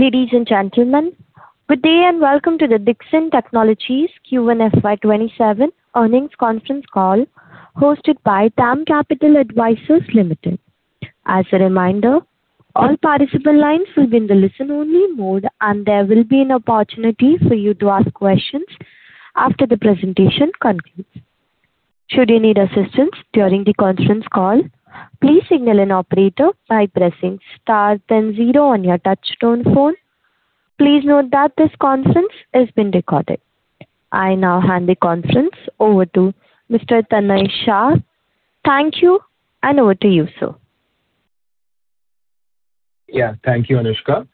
Ladies and gentlemen, good day and welcome to the Dixon Technologies Q1 FY 2027 earnings conference call hosted by DAM Capital Advisors Limited. As a reminder, all participant lines will be in the listen only mode, and there will be an opportunity for you to ask questions after the presentation concludes. Should you need assistance during the conference call, please signal an operator by pressing Star then Zero on your touchtone phone. Please note that this conference is being recorded. I now hand the conference over to Mr. Tanay Shah. Thank you, and over to you, sir. Thank you, Anushka.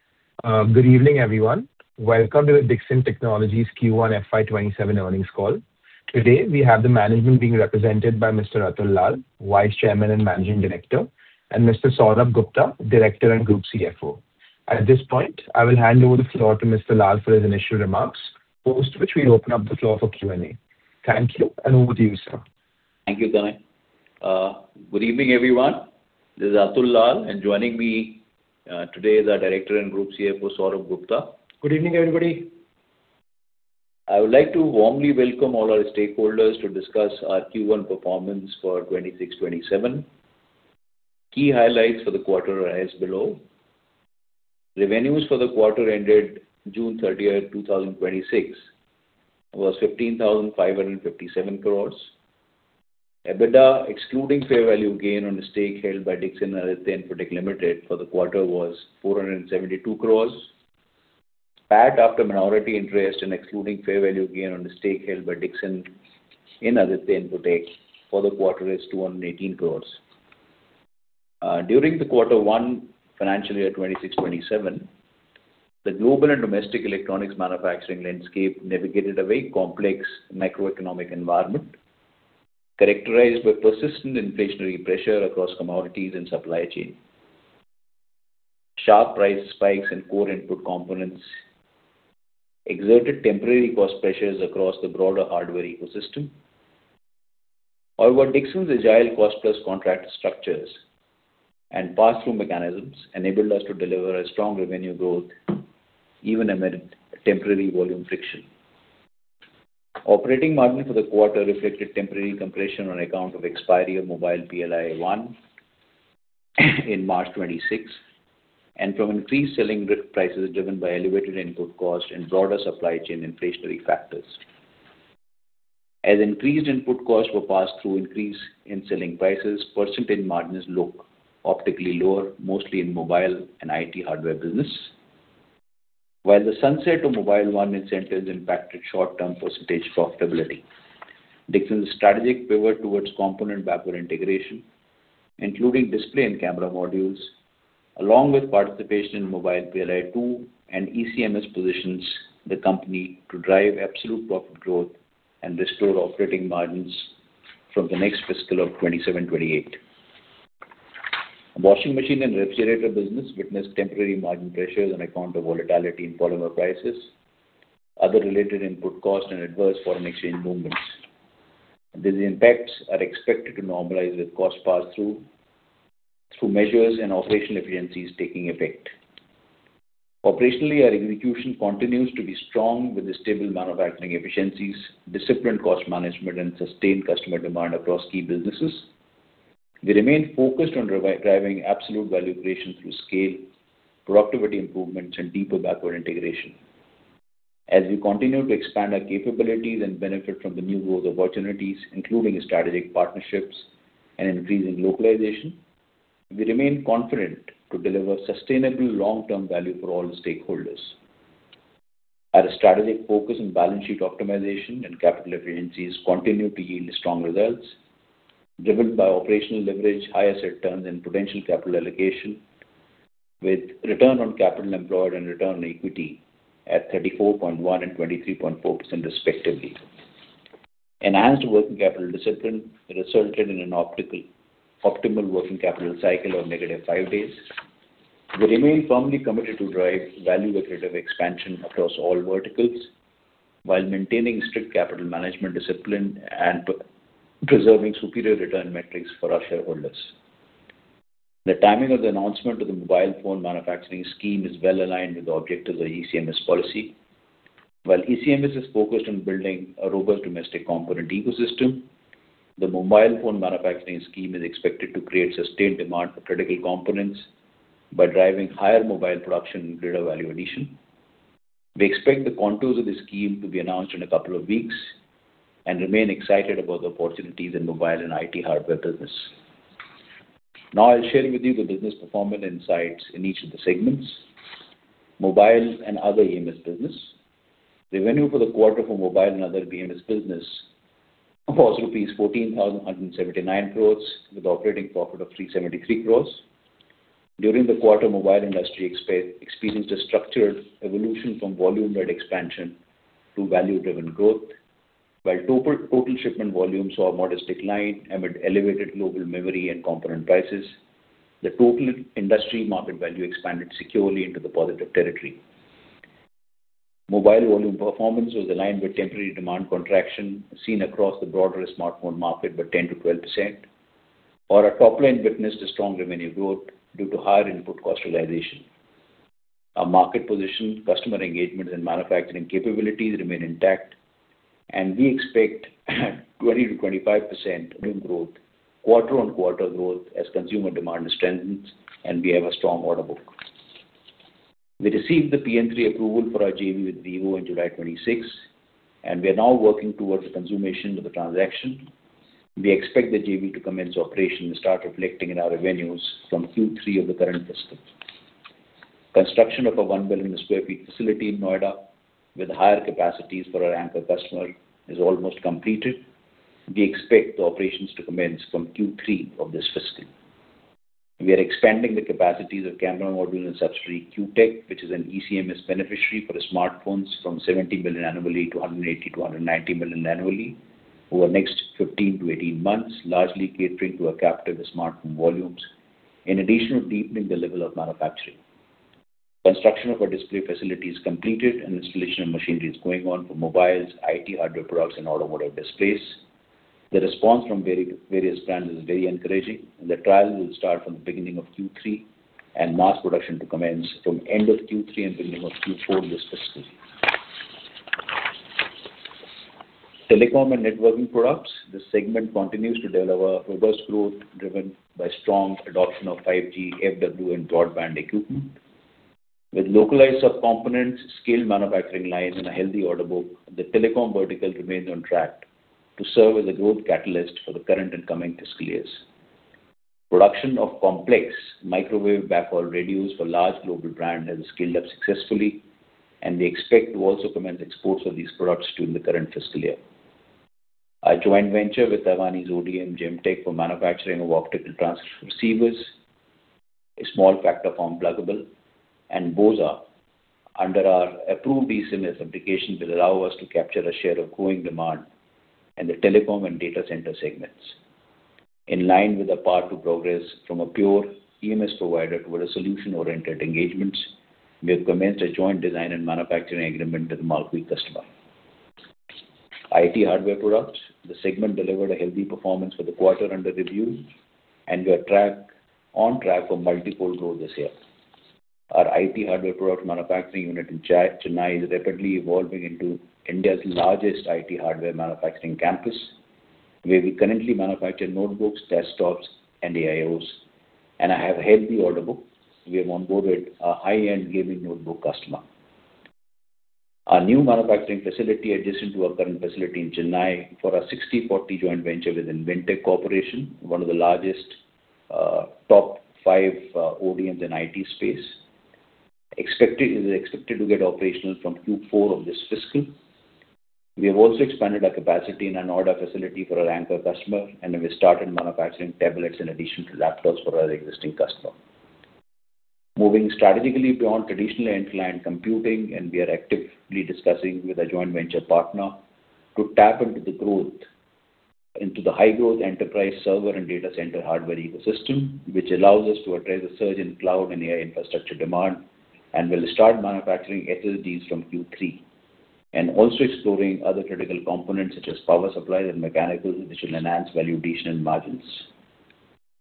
Good evening, everyone. Welcome to the Dixon Technologies Q1 FY 2027 earnings call. Today, we have the management being represented by Mr. Atul Lall, Vice Chairman and Managing Director, and Mr. Saurabh Gupta, Director and Group CFO. At this point, I will hand over the floor to Mr. Lall for his initial remarks, post which we will open up the floor for Q&A. Thank you, and over to you, sir. Thank you, Tanay. Good evening, everyone. This is Atul Lall, and joining me today is our Director and Group CFO, Saurabh Gupta. Good evening, everybody. I would like to warmly welcome all our stakeholders to discuss our Q1 performance for 2026/2027. Key highlights for the quarter are as below. Revenues for the quarter ended June 30, 2026 was 15,557 crore. EBITDA, excluding fair value gain on the stake held by Dixon in Aditya Infotech Limited for the quarter was INR 472 crore. PAT after minority interest and excluding fair value gain on the stake held by Dixon in Aditya Infotech for the quarter is INR 218 crore. During the Q1 financial year 2026/2027, the global and domestic electronics manufacturing landscape navigated a very complex macroeconomic environment, characterized by persistent inflationary pressure across commodities and supply chain. Sharp price spikes in core input components exerted temporary cost pressures across the broader hardware ecosystem. However, Dixon's agile cost-plus contract structures and passthrough mechanisms enabled us to deliver a strong revenue growth even amid temporary volume friction. Operating margin for the quarter reflected temporary compression on account of expiry of Mobile PLI 1.0 in March 2026, and from increased selling prices driven by elevated input cost and broader supply chain inflationary factors. As increased input costs were passed through increase in selling prices, percentage margins look optically lower, mostly in mobile and IT hardware business. While the sunset of Mobile 1.0 incentives impacted short-term percentage profitability, Dixon's strategic pivot towards component backward integration, including display and camera modules, along with participation in Mobile PLI 2.0 and ECMS positions the company to drive absolute profit growth and restore operating margins from the next fiscal of 2027/2028. Washing machine and refrigerator business witnessed temporary margin pressures on account of volatility in polymer prices, other related input cost and adverse foreign exchange movements. These impacts are expected to normalize with cost passthrough measures and operational efficiencies taking effect. Operationally, our execution continues to be strong with the stable manufacturing efficiencies, disciplined cost management and sustained customer demand across key businesses. We remain focused on driving absolute value creation through scale, productivity improvements, and deeper backward integration. As we continue to expand our capabilities and benefit from the new growth opportunities, including strategic partnerships and increasing localization, we remain confident to deliver sustainable long-term value for all stakeholders. Our strategic focus on balance sheet optimization and capital efficiencies continue to yield strong results driven by operational leverage, higher asset turns, and potential capital allocation with ROCE and ROE at 34.1% and 23.4% respectively. Enhanced working capital discipline resulted in an optimal working capital cycle of negative five days. We remain firmly committed to drive value accretive expansion across all verticals while maintaining strict capital management discipline and preserving superior return metrics for our shareholders. The timing of the announcement of the mobile phone manufacturing scheme is well-aligned with the object of the ECMS policy. While ECMS is focused on building a robust domestic component ecosystem, the mobile phone manufacturing scheme is expected to create sustained demand for critical components by driving higher mobile production greater value addition. We expect the contours of the scheme to be announced in a couple of weeks and remain excited about the opportunities in mobile and IT hardware business. Now I will share with you the business performance insights in each of the segments. Mobile and other EMS business. Revenue for the quarter for mobile and other EMS business was rupees 14,179 crore with operating profit of 373 crore. During the quarter, mobile industry experienced a structured evolution from volume-led expansion to value-driven growth. While total shipment volumes saw modest decline amid elevated global memory and component prices, the total industry market value expanded securely into the positive territory. Mobile volume performance was aligned with temporary demand contraction seen across the broader smartphone market by 10%-12%. Our top line witnessed a strong revenue growth due to higher input cost realization. Our market position, customer engagements, and manufacturing capabilities remain intact, and we expect 20%-25% revenue growth, quarter-on-quarter growth, as consumer demand strengthens, and we have a strong order book. We received the P&A approval for our JV with Vivo in July 26, and we are now working towards the consummation of the transaction. We expect the JV to commence operation and start reflecting in our revenues from Q3 of the current fiscal. Construction of a 1 million sq ft facility in Noida with higher capacities for our anchor customer is almost completed. We expect the operations to commence from Q3 of this fiscal. We are expanding the capacities of camera module and subsidiary Q Tech, which is an ECMS beneficiary for smartphones from 70 million annually to 180 million-190 million annually over the next 15-18 months, largely catering to a captive smartphone volumes, in addition to deepening the level of manufacturing. Construction of our display facility is completed, and installation of machinery is going on for mobiles, IT hardware products, and automotive displays. The response from various brands is very encouraging, and the trial will start from the beginning of Q3 and mass production to commence from end of Q3 and beginning of Q4 this fiscal year. Telecom and networking products. This segment continues to deliver robust growth driven by strong adoption of 5G, FWA, and broadband equipment. With localized subcomponents, scaled manufacturing lines, and a healthy order book, the telecom vertical remains on track to serve as a growth catalyst for the current and coming fiscal years. Production of complex microwave backhaul radios for large global brand has scaled up successfully, and we expect to also commence exports of these products during the current fiscal year. Our joint venture with Taiwanese ODM Gemtek for manufacturing of optical transceivers, a small form factor pluggable, and BOSA under our approved ECMS applications will allow us to capture a share of growing demand in the telecom and data center segments. In line with our path to progress from a pure EMS provider toward a solution-oriented engagements, we have commenced a joint design and manufacturing agreement with a marquee customer. IT hardware products. The segment delivered a healthy performance for the quarter under review, and we are on track for multiple growth this year. Our IT hardware product manufacturing unit in Chennai is rapidly evolving into India's largest IT hardware manufacturing campus, where we currently manufacture notebooks, desktops, and AIOs. And a healthy order book. We have onboarded a high-end gaming notebook customer. Our new manufacturing facility adjacent to our current facility in Chennai for our 60/40 joint venture with Inventec Corporation, one of the largest top five ODMs in IT space. It is expected to get operational from Q4 of this fiscal. We have also expanded our capacity in a Noida facility for our anchor customer, and we started manufacturing tablets in addition to laptops for our existing customer. Moving strategically beyond traditional end-to-end computing, we are actively discussing with a joint venture partner to tap into the high growth enterprise server and data center hardware ecosystem, which allows us to address the surge in cloud and AI infrastructure demand and will start manufacturing SSDs from Q3. Also exploring other critical components such as power supplies and mechanicals, which will enhance value addition and margins.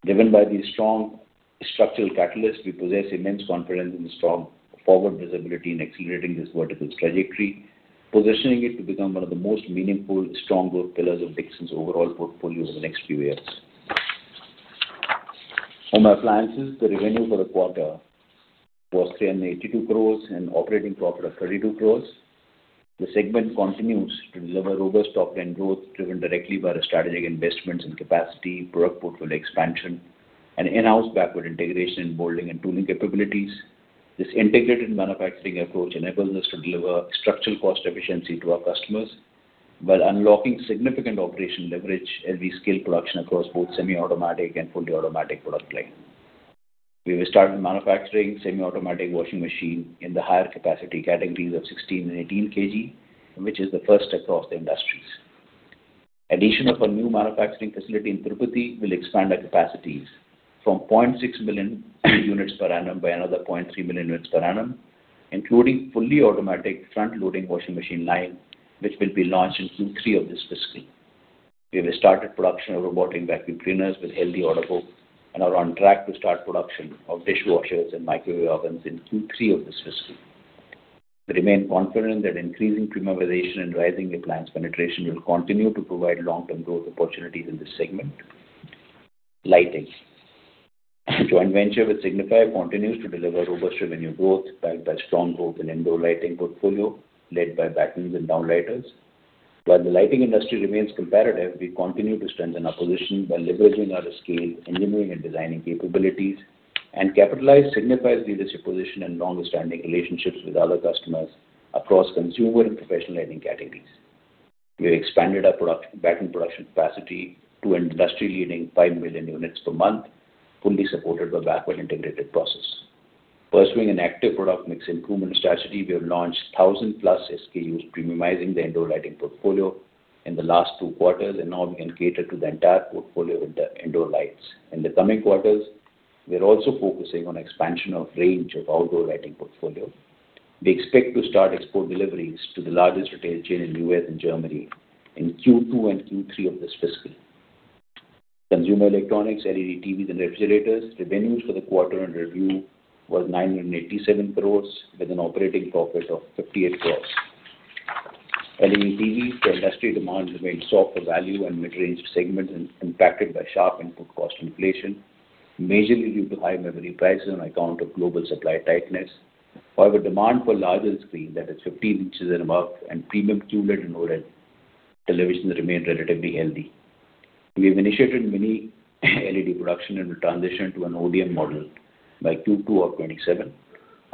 Driven by these strong structural catalysts, we possess immense confidence in the strong forward visibility in accelerating this vertical's trajectory, positioning it to become one of the most meaningful, strong growth pillars of Dixon's overall portfolio over the next few years. Home appliances, the revenue for the quarter was 382 crore and operating profit of 32 crore. The segment continues to deliver robust top end growth driven directly by our strategic investments in capacity, product portfolio expansion, and in-house backward integration in molding and tooling capabilities. This integrated manufacturing approach enables us to deliver structural cost efficiency to our customers while unlocking significant operational leverage as we scale production across both semi-automatic and fully automatic product line. We will start manufacturing semi-automatic washing machine in the higher capacity categories of 16 and 18 kg, which is the first across the industries. Addition of a new manufacturing facility in Tirupati will expand our capacities from 0.6 million units per annum by another 0.3 million units per annum, including fully automatic front-loading washing machine line, which will be launched in Q3 of this fiscal. We have started production of robotic vacuum cleaners with healthy order book and are on track to start production of dishwashers and microwave ovens in Q3 of this fiscal. We remain confident that increasing premiumization and rising appliance penetration will continue to provide long-term growth opportunities in this segment. Lighting. Joint venture with Signify continues to deliver robust revenue growth backed by strong growth in indoor lighting portfolio led by battens and downlights. While the lighting industry remains competitive, we continue to strengthen our position by leveraging our scale, engineering, and designing capabilities and capitalize Signify's leadership position and longer standing relationships with other customers across consumer and professional lighting categories. We have expanded our batten production capacity to an industry leading 5 million units per month, fully supported by backward integrated process. Pursuing an active product mix improvement strategy, we have launched 1,000+ SKUs, premiumizing the indoor lighting portfolio in the last two quarters, and now we can cater to the entire portfolio with the indoor lights. In the coming quarters we are also focusing on expansion of range of outdoor lighting portfolio. We expect to start export deliveries to the largest retail chain in U.S. and Germany in Q2 and Q3 of this fiscal. Consumer electronics, LED TVs and refrigerators. Revenues for the quarter under review was 987 crore with an operating profit of 58 crore. LED TVs, the industry demand remained soft for value and mid-range segments impacted by sharp input cost inflation, majorly due to high memory prices on account of global supply tightness. However, demand for larger screen that is 50 in and above and premium QLED and OLED televisions remained relatively healthy. We have initiated Mini LED production and will transition to an ODM model by Q2 of 2027,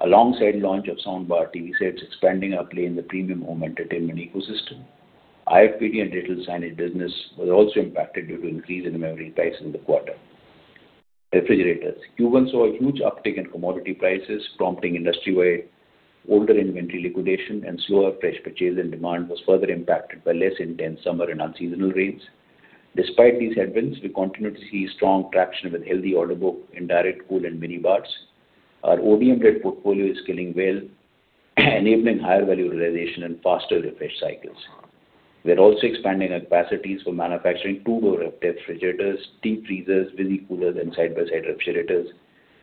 alongside launch of soundbar TV sets expanding our play in the premium home entertainment ecosystem. IFPD and digital signage business was also impacted due to increase in memory price in the quarter. Refrigerators. Q1 saw a huge uptick in commodity prices, prompting industry-wide older inventory liquidation and slower fresh purchase, and demand was further impacted by less intense summer and unseasonal rains. Despite these headwinds, we continue to see strong traction with healthy order book in direct cool and mini bars. Our ODM-led portfolio is scaling well, enabling higher value realization and faster refresh cycles. We are also expanding our capacities for manufacturing two-door refrigerator, deep freezers, mini coolers and side-by-side refrigerators,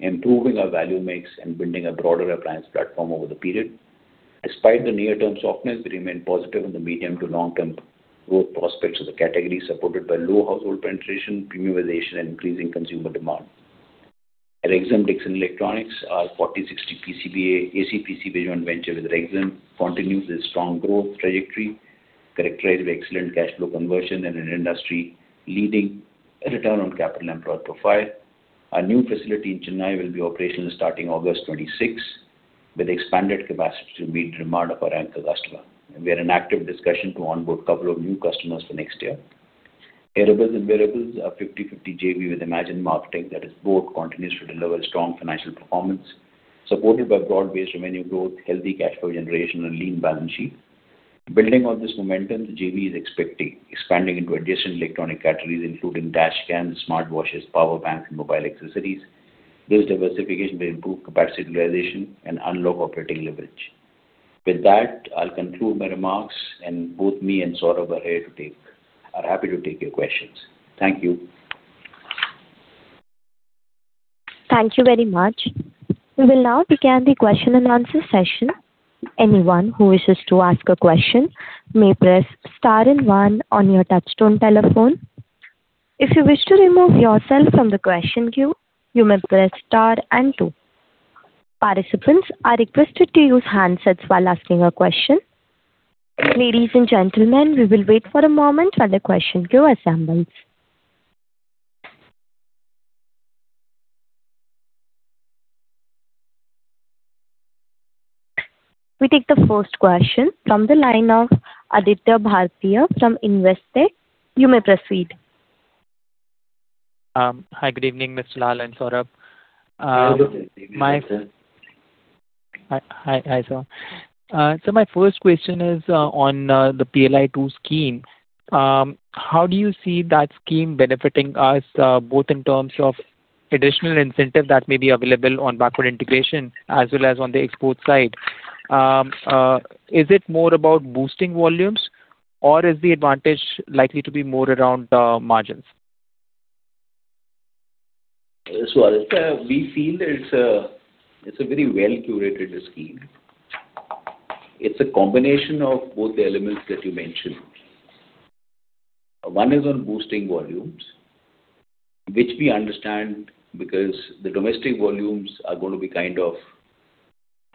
improving our value mix and building a broader appliance platform over the period. Despite the near-term softness, we remain positive on the medium to long term growth prospects of the category supported by low household penetration, premiumization, and increasing consumer demand. Rexxam Dixon Electronics, our 40/60 PCBA/AC PCB joint venture with Rexxam continues its strong growth trajectory, characterized by excellent cash flow conversion and an industry-leading return on capital employed profile. Our new facility in Chennai will be operational starting August 2026, with expanded capacity to meet demand of our anchor customer. We are in active discussion to onboard couple of new customers for next year. Aerobiz and Viribiz, our 50/50 JV with Imagine Marketing that is boAt continues to deliver strong financial performance, supported by broad-based revenue growth, healthy cash flow generation, and lean balance sheet. Building on this momentum, the JV is expecting expanding into adjacent electronic categories including dash cams, smartwatches, power banks and mobile accessories. This diversification will improve capacity utilization and unlock operating leverage. With that, I'll conclude my remarks and both me and Saurabh are happy to take your questions. Thank you. Thank you very much. We will now begin the question and answer session. Anyone who wishes to ask a question may press star and one on your touchtone telephone. If you wish to remove yourself from the question queue, you may press star and two. Participants are requested to use handsets while asking a question. Ladies and gentlemen, we will wait for a moment while the question queue assembles. We take the first question from the line of Aditya Bhartia from Investec. You may proceed. Hi, good evening, Mr. Lall and Saurabh. Good evening, Aditya. Hi, sir. My first question is on the PLI 2 scheme. How do you see that scheme benefiting us, boAt in terms of additional incentive that may be available on backward integration as well as on the export side? Is it more about boosting volumes or is the advantage likely to be more around margins? Aditya, we feel that it's a very well curated scheme. It's a combination of both the elements that you mentioned. One is on boosting volumes, which we understand because the domestic volumes are going to be kind of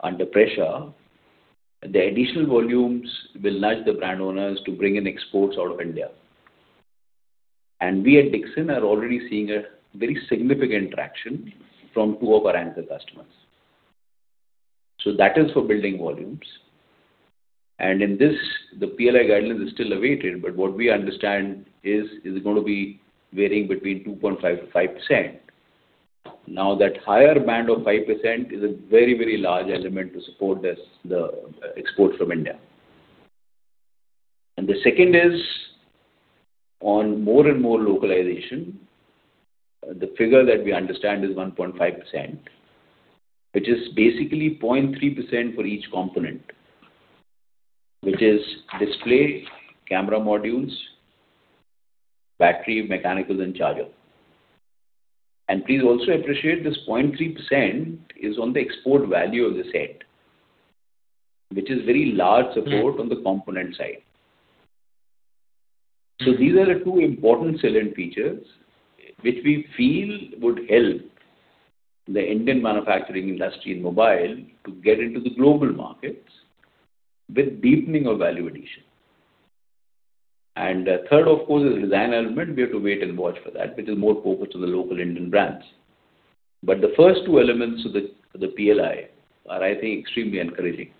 under pressure. The additional volumes will nudge the brand owners to bring in exports out of India. We at Dixon are already seeing a very significant traction from two of our anchor customers. That is for building volumes. In this, the PLI guidelines is still awaited, but what we understand is it going to be varying between 2.5%-5%. Now that higher band of 5% is a very large element to support the export from India. The second is on more and more localization. The figure that we understand is 1.5%, which is basically 0.3% for each component. Which is display, camera modules, battery, mechanical, and charger. Please also appreciate this 0.3% is on the export value of the set, which is very large support on the component side. These are the two important selling features which we feel would help the Indian manufacturing industry in mobile to get into the global markets with deepening of value addition. Third, of course, is design element. We have to wait and watch for that, which is more focused on the local Indian brands. The first two elements of the PLI are, I think, extremely encouraging.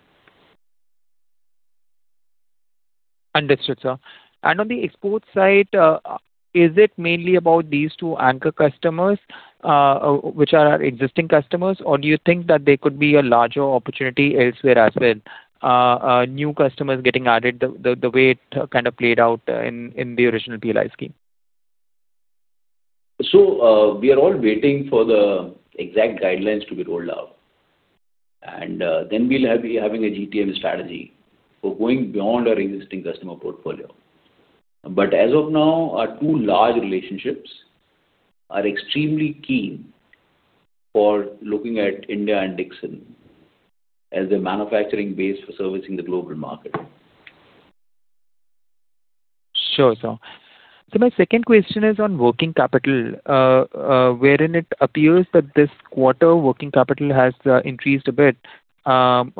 Understood, sir. On the export side, is it mainly about these two anchor customers, which are our existing customers? Do you think that there could be a larger opportunity elsewhere as well? New customers getting added, the way it kind of played out in the original PLI scheme. We are all waiting for the exact guidelines to be rolled out. Then we'll be having a GTM strategy for going beyond our existing customer portfolio. As of now, our two large relationships are extremely keen for looking at India and Dixon as their manufacturing base for servicing the global market. Sure, sir. My second question is on working capital, wherein it appears that this quarter, working capital has increased a bit. From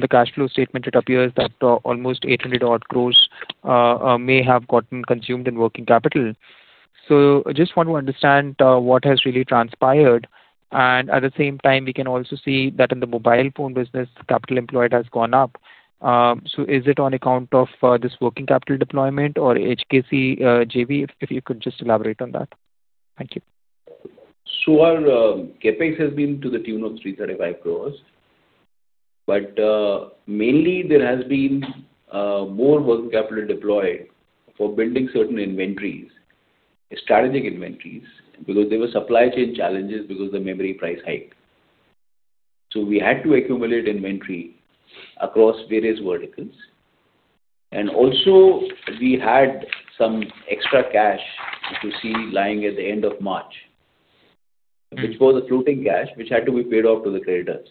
the cash flow statement, it appears that almost 800 odd crores may have gotten consumed in working capital. I just want to understand what has really transpired, and at the same time, we can also see that in the mobile phone business, capital employed has gone up. Is it on account of this working capital deployment or HKC JV? If you could just elaborate on that. Thank you. Our CapEx has been to the tune of 335 crores. Mainly there has been more working capital deployed for building certain strategic inventories, because there were supply chain challenges because of the memory price hike. We had to accumulate inventory across various verticals. Also, we had some extra cash, which you see lying at the end of March, which was a floating cash, which had to be paid off to the creditors.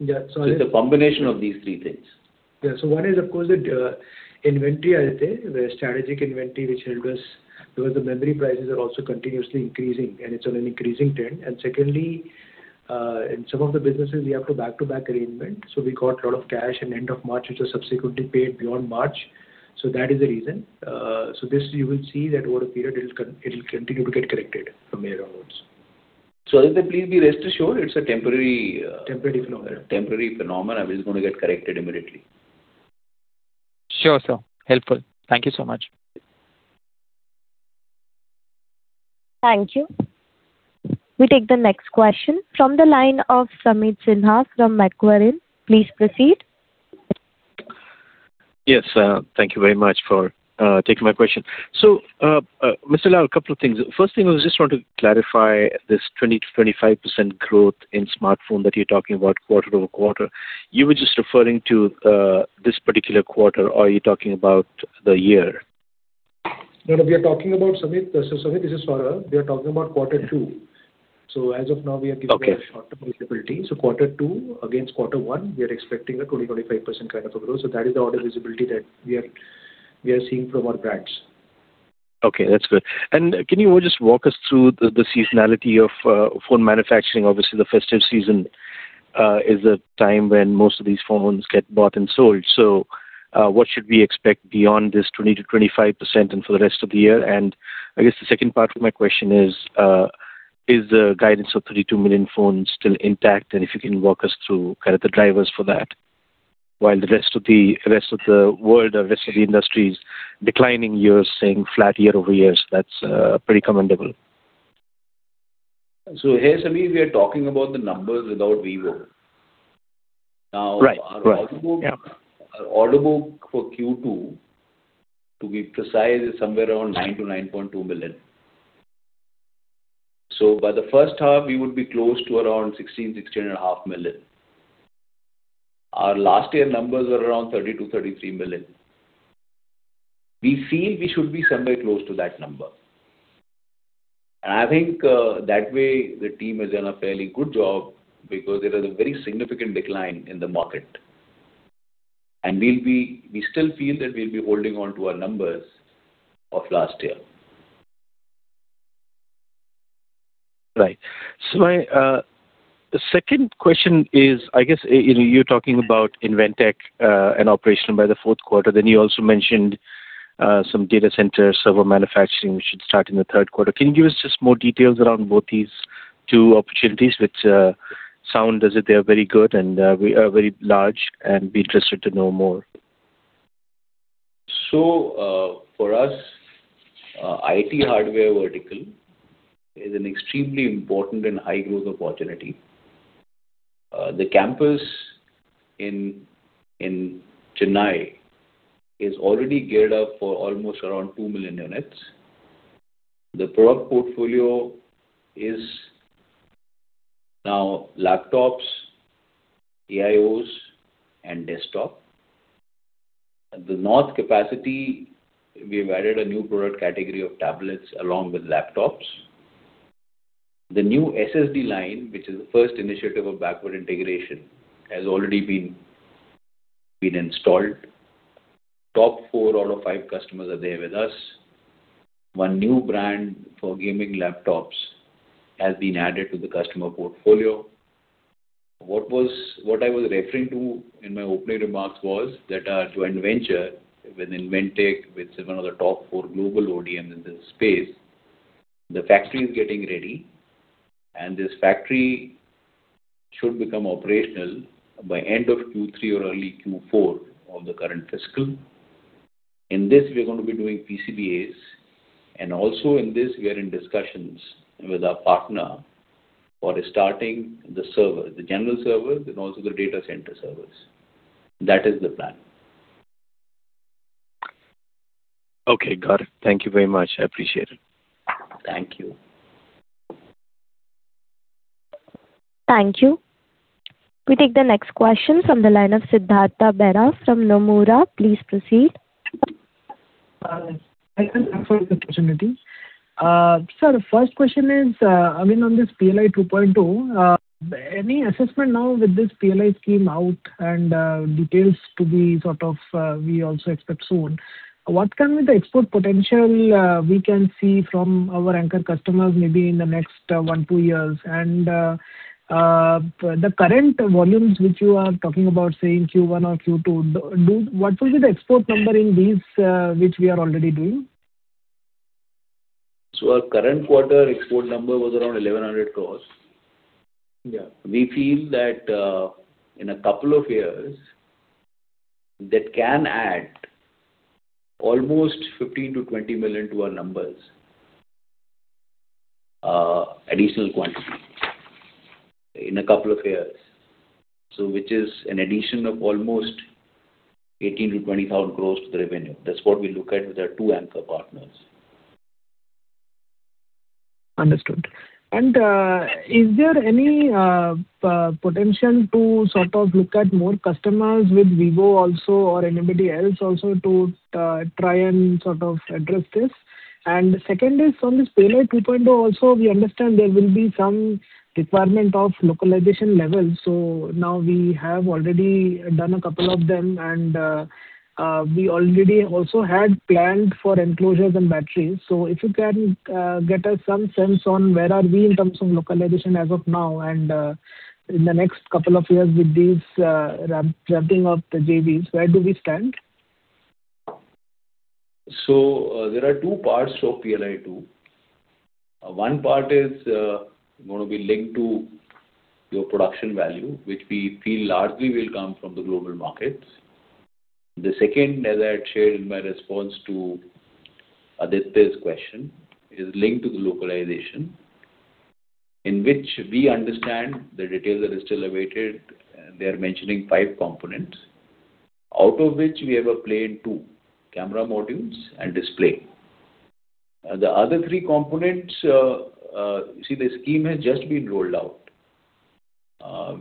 Yeah. It's a combination of these three things. One is, of course, the inventory, Aditya, the strategic inventory, which helped us, because the memory prices are also continuously increasing, and it's on an increasing trend. Secondly, in some of the businesses, we have to back-to-back arrangement. We got lot of cash in end of March, which was subsequently paid beyond March. That is the reason. This, you will see that over a period it'll continue to get corrected from here onwards. Aditya please be rest assured it's a temporary. Temporary phenomenon. Temporary phenomenon, it's going to get corrected immediately. Sure, sir. Helpful. Thank you so much. Thank you. We take the next question from the line of Sameet Sinha from Macquarie. Please proceed. Yes. Thank you very much for taking my question. Mr. Lall, a couple of things. First thing was I just want to clarify this 20%-25% growth in smartphone that you're talking about quarter-over-quarter. You were just referring to this particular quarter, or are you talking about the year? We are talking about, Sameet. Samit, this is Saurabh. We are talking about quarter two. As of now, we are giving Okay A shorter visibility. Quarter two against quarter one, we are expecting a 20%-25% kind of a growth. That is the order visibility that we are seeing from our brands. Okay, that's good. Can you just walk us through the seasonality of phone manufacturing? Obviously, the festive season is a time when most of these phones get bought and sold. What should we expect beyond this 20%-25%, and for the rest of the year? I guess the second part of my question is the guidance of 32 million phones still intact? If you can walk us through the drivers for that. While the rest of the world or rest of the industry is declining, you're saying flat year-over-year, that's pretty commendable. Here, Sameet, we are talking about the numbers without vivo. Right. Our order book. Yeah Our order book for Q2, to be precise, is somewhere around nine million-9.2 million. By the first half, we would be close to around 16 million, 16 and a half million. Our last year numbers were around 32 million, 33 million. We feel we should be somewhere close to that number. I think that way the team has done a fairly good job because there is a very significant decline in the market. We still feel that we'll be holding onto our numbers of last year. Right. My second question is, I guess you're talking about Inventec and operational by the fourth quarter. You also mentioned some data center server manufacturing, which should start in the third quarter. Can you give us just more details around both these two opportunities, which sound as if they are very good and very large, and I'd be interested to know more. For us, IT hardware vertical is an extremely important and high-growth opportunity. The campus in Chennai is already geared up for almost around 2 million units. The product portfolio is now laptops, AIOs, and desktop. The north capacity, we've added a new product category of tablets along with laptops. The new SSD line, which is the first initiative of backward integration, has already been installed. Top four out of five customers are there with us. One new brand for gaming laptops has been added to the customer portfolio. What I was referring to in my opening remarks was that our joint venture with Inventec, which is one of the top four global ODMs in this space, the factory is getting ready, and this factory should become operational by end of Q3 or early Q4 of the current fiscal. In this, we're going to be doing PCBAs. Also in this, we are in discussions with our partner for starting the server, the general server and also the data center servers. That is the plan. Got it. Thank you very much. I appreciate it. Thank you. Thank you. We take the next question from the line of Siddhartha Bera from Nomura. Please proceed. Hi, thank you for the opportunity. Sir, first question is, I mean, on this PLI 2.0, any assessment now with this PLI scheme out and details to be sort of we also expect soon. What can be the export potential we can see from our anchor customers maybe in the next one, two years? The current volumes which you are talking about, say, in Q1 or Q2, what will be the export number in these which we are already doing? Our current quarter export number was around 1,100 crores. Yeah. We feel that in a couple of years, that can add almost 15 million-20 million to our numbers, additional quantity in a couple of years. Which is an addition of almost 18,000 crores-20,000 crores to the revenue. That's what we look at with our two anchor partners. Understood. Is there any potential to sort of look at more customers with vivo also or anybody else also to try and sort of address this? Second is from this PLI 2.0 also, we understand there will be some requirement of localization levels. Now we have already done a couple of them and we already also had planned for enclosures and batteries. If you can get us some sense on where are we in terms of localization as of now and in the next couple of years with this ramping up the JVs, where do we stand? There are two parts of PLI 2. One part is going to be linked to your production value, which we feel largely will come from the global markets. The second, as I had shared in my response to Aditya's question, is linked to the localization, in which we understand the detail that is still awaited. They're mentioning five components out of which we have a play in two, camera modules and display. The other three components, you see the scheme has just been rolled out.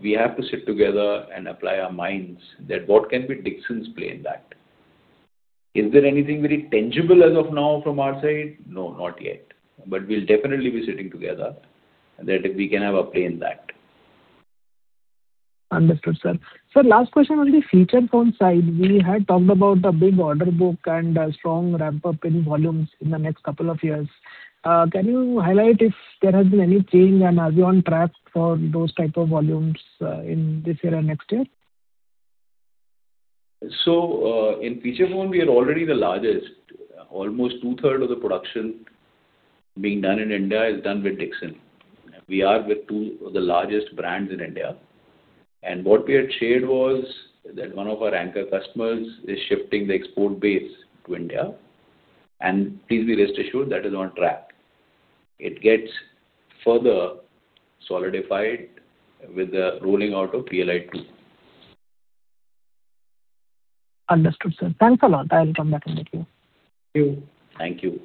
We have to sit together and apply our minds that what can be Dixon's play in that. Is there anything very tangible as of now from our side? No, not yet. We'll definitely be sitting together that we can have a play in that. Understood, sir. Sir, last question on the feature phone side, we had talked about the big order book and a strong ramp-up in volumes in the next couple of years. Can you highlight if there has been any change, and are we on track for those type of volumes in this year and next year? In feature phone, we are already the largest. Almost two-third of the production being done in India is done with Dixon. We are with two of the largest brands in India. What we had shared was that one of our anchor customers is shifting the export base to India, and please be rest assured that is on track. It gets further solidified with the rolling out of PLI 2.0. Understood, sir. Thanks a lot. I will come back in the queue. Thank you.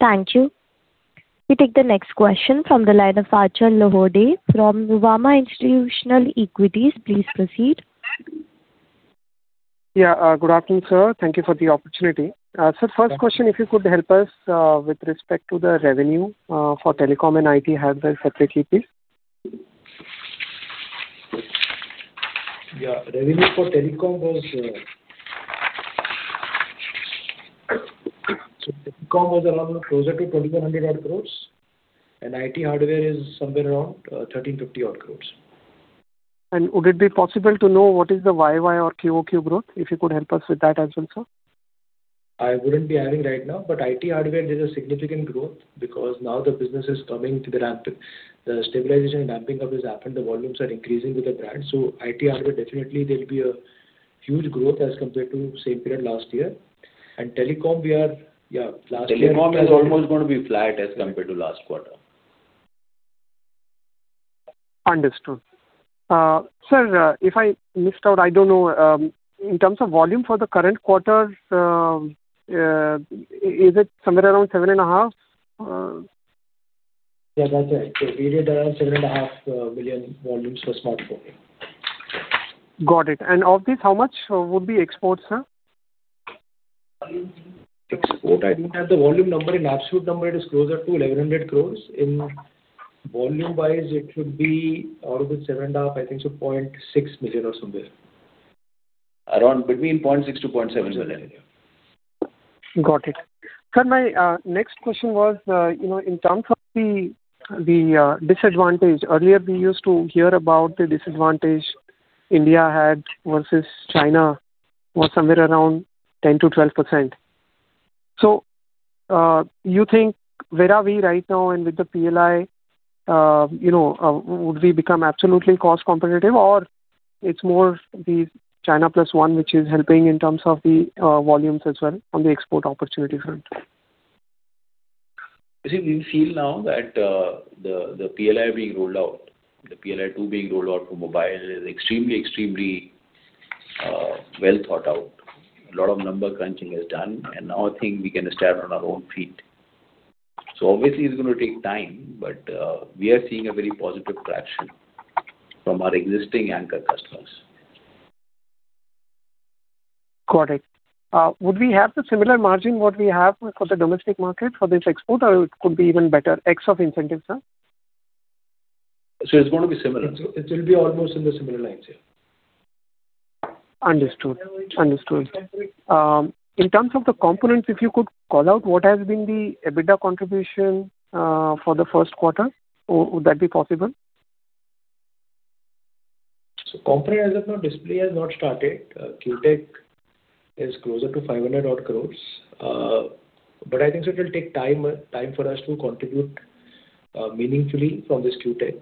Thank you. We take the next question from the line of Achal Lohade from Nuvama Institutional Equities. Please proceed. Yeah. Good afternoon, sir. Thank you for the opportunity. Sir, first question, if you could help us with respect to the revenue for telecom and IT hardware separately, please. Yeah. Revenue for telecom was closer to 2,100 odd crores, and IT hardware is somewhere around 1,350 odd crores. Would it be possible to know what is the year-over-year or quarter-over-quarter growth? If you could help us with that as well, sir. I wouldn't be having right now, but IT hardware there's a significant growth because now the business is coming to the ramp. The stabilization and ramping up has happened. The volumes are increasing with the brand. IT hardware definitely there'll be a huge growth as compared to the same period last year. telecom we are. Telecom is almost going to be flat as compared to last quarter. Understood. Sir, if I missed out, I don't know. In terms of volume for the current quarter, is it somewhere around 7.5? Yeah, that's right. We did around 7.5 million volumes for smartphone. Got it. Of these, how much would be exports, sir? Export, I don't have the volume number. In absolute number, it is closer to 1,100 crore. Volume-wise, it should be out of the 7.5, I think it's a 0.6 million or somewhere. Around between 0.6 million to 0.7 million. Got it. Sir, my next question was in terms of the disadvantage. Earlier we used to hear about the disadvantage India had versus China was somewhere around 10%-12%. You think where are we right now and with the PLI would we become absolutely cost competitive or it's more the China plus one which is helping in terms of the volumes as well on the export opportunity front? You see, we feel now that the PLI being rolled out, the PLI 2.0 being rolled out for mobile is extremely well thought out. A lot of number crunching is done, and now I think we can stand on our own feet. Obviously, it's going to take time, but we are seeing a very positive traction from our existing anchor customers. Got it. Would we have the similar margin what we have for the domestic market for this export, or it could be even better ex of incentives, sir? It's going to be similar. It will be almost in the similar lines, yeah. Understood. In terms of the components, if you could call out what has been the EBITDA contribution for the first quarter, would that be possible? Component as of now, display has not started. Q Tech is closer to 500 odd crores. I think it will take time for us to contribute meaningfully from this Q Tech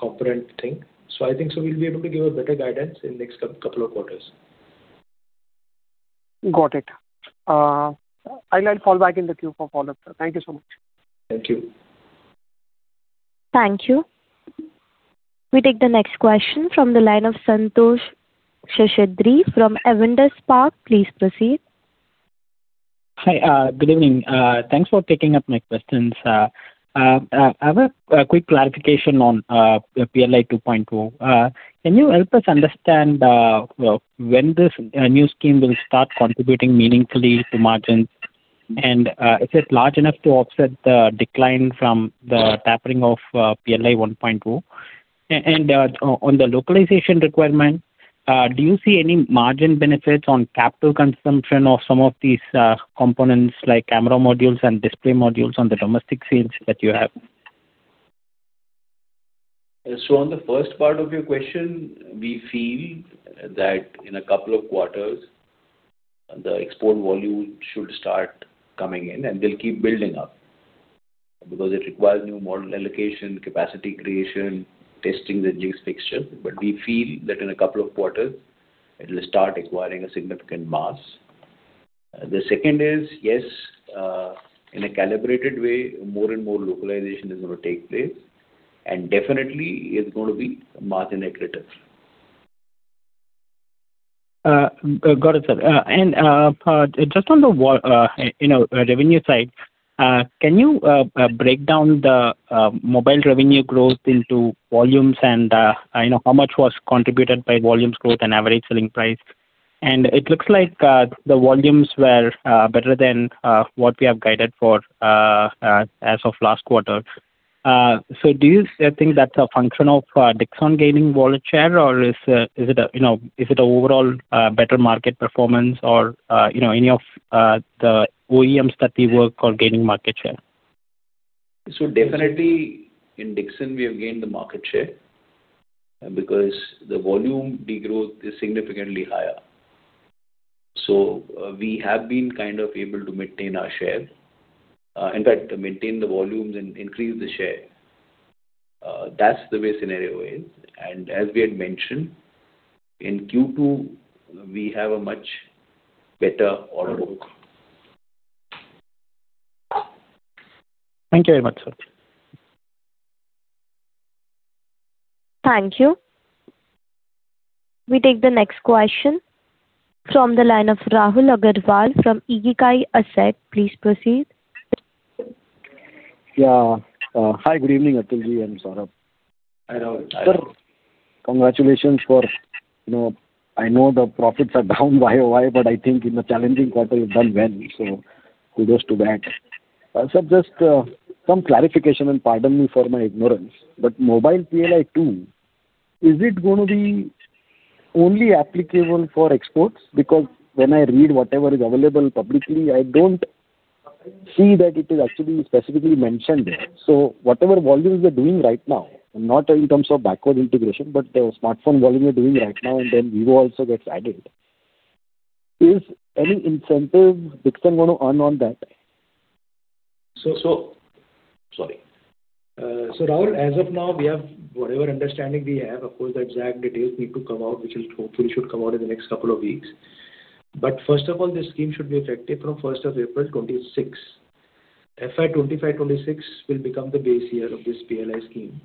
component thing. I think we'll be able to give a better guidance in the next couple of quarters. Got it. I'll fall back in the queue for follow-up, sir. Thank you so much. Thank you. Thank you. We take the next question from the line of Santhosh Seshadri from Avendus Spark. Please proceed. Hi. Good evening. Thanks for taking up my questions. I have a quick clarification on PLI 2.0. Can you help us understand when this new scheme will start contributing meaningfully to margins? Is it large enough to offset the decline from the tapering of PLI 1.0? On the localization requirement, do you see any margin benefits on capital consumption of some of these components, like camera modules and display modules on the domestic sales that you have? On the first part of your question, we feel that in a couple of quarters, the export volume should start coming in, and they'll keep building up, because it requires new model allocation, capacity creation, testing the new fixture. We feel that in a couple of quarters, it will start acquiring a significant mass. The second is, yes, in a calibrated way, more and more localization is going to take place, and definitely it's going to be margin accretive. Got it, sir. Just on the revenue side, can you break down the mobile revenue growth into volumes and how much was contributed by volumes growth and average selling price? It looks like the volumes were better than what we have guided for as of last quarter. Do you think that's a function of Dixon gaining volume share, or is it an overall better market performance or any of the OEMs that we work for gaining market share? Definitely, in Dixon, we have gained the market share because the volume de-growth is significantly higher. We have been kind of able to maintain our share. In fact, maintain the volumes and increase the share. That's the way scenario is. As we had mentioned, in Q2, we have a much better order book. Thank you very much, sir. Thank you. We take the next question from the line of Rahul Agarwal from Ikigai Asset. Please proceed. Hi, good evening, Atul and Saurabh. Hi, Rahul. Sir, congratulations for I know the profits are down year-over-year, but I think in a challenging quarter you've done well, so kudos to that. Sir, just some clarification, and pardon me for my ignorance. Mobile PLI 2.0, is it going to be only applicable for exports? When I read whatever is available publicly, I don't see that it is actually specifically mentioned. Whatever volumes they're doing right now, not in terms of backward integration, but the smartphone volume you're doing right now, and then vivo also gets added. Is any incentive Dixon going to earn on that? Sorry. Rahul, as of now, we have whatever understanding we have. Of course, the exact details need to come out, which hopefully should come out in the next couple of weeks. First of all, this scheme should be effective from 1st of April 2026. FY 2025/2026 will become the base year of this PLI scheme.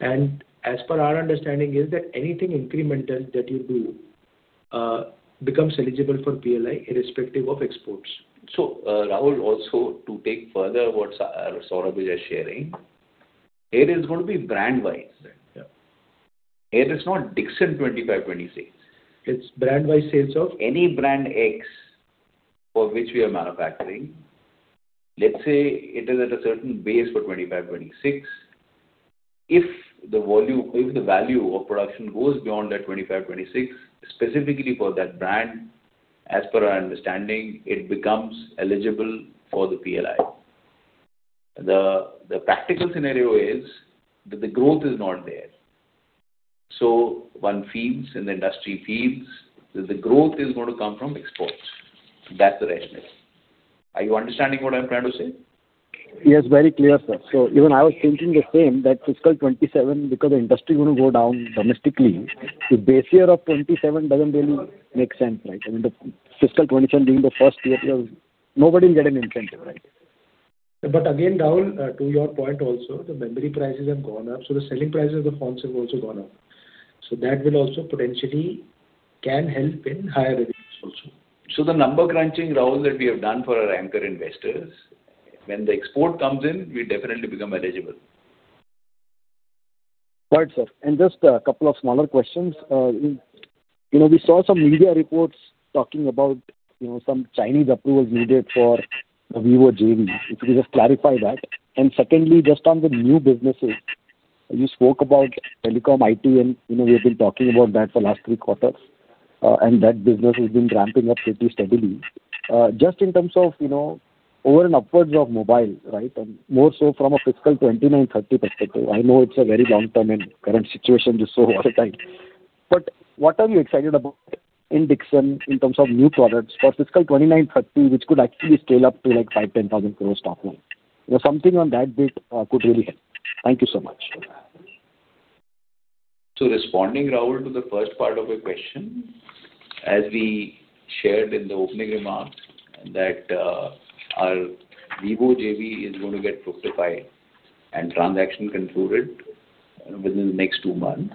As per our understanding is that anything incremental that you do becomes eligible for PLI, irrespective of exports. Rahul, also to take further what Saurabh is sharing, it is going to be brand wise. Yeah. It is not Dixon 2025/2026. It's brand-wise sales of. Any brand X for which we are manufacturing, let's say it is at a certain base for 2025/2026. If the value of production goes beyond that 2025/2026, specifically for that brand, as per our understanding, it becomes eligible for the PLI. The practical scenario is that the growth is not there. One feels, and the industry feels that the growth is going to come from exports. That's the rationale. Are you understanding what I'm trying to say? Yes, very clear, sir. Even I was thinking the same, that fiscal 2027, because the industry is going to go down domestically, the base year of 2027 does not really make sense, right? I mean, the fiscal 2027 being the first year, nobody will get an incentive, right? Again, Rahul, to your point also, the memory prices have gone up, the selling prices of the phones have also gone up. That will also potentially can help in higher revenues also. The number crunching, Rahul, that we have done for our anchor investors, when the export comes in, we definitely become eligible. Right, sir. Just a couple of smaller questions. We saw some media reports talking about some Chinese approvals needed for vivo JV. If you could just clarify that. Secondly, just on the new businesses, you spoke about telecom, IT, and we have been talking about that for last three quarters, and that business has been ramping up pretty steadily. Just in terms of over and upwards of mobile, right? More so from a fiscal 2029, 2030 perspective. I know it's a very long-term and current situation is so volatile. What are you excited about in Dixon in terms of new products for fiscal 2029, 2030, which could actually scale up to 5 thousand crores, INR 10 thousand crores top line? Something on that bit could really help. Thank you so much. Responding, Rahul, to the first part of your question. As we shared in the opening remarks that our vivo JV is going to get booked to buy and transaction concluded within the next two months.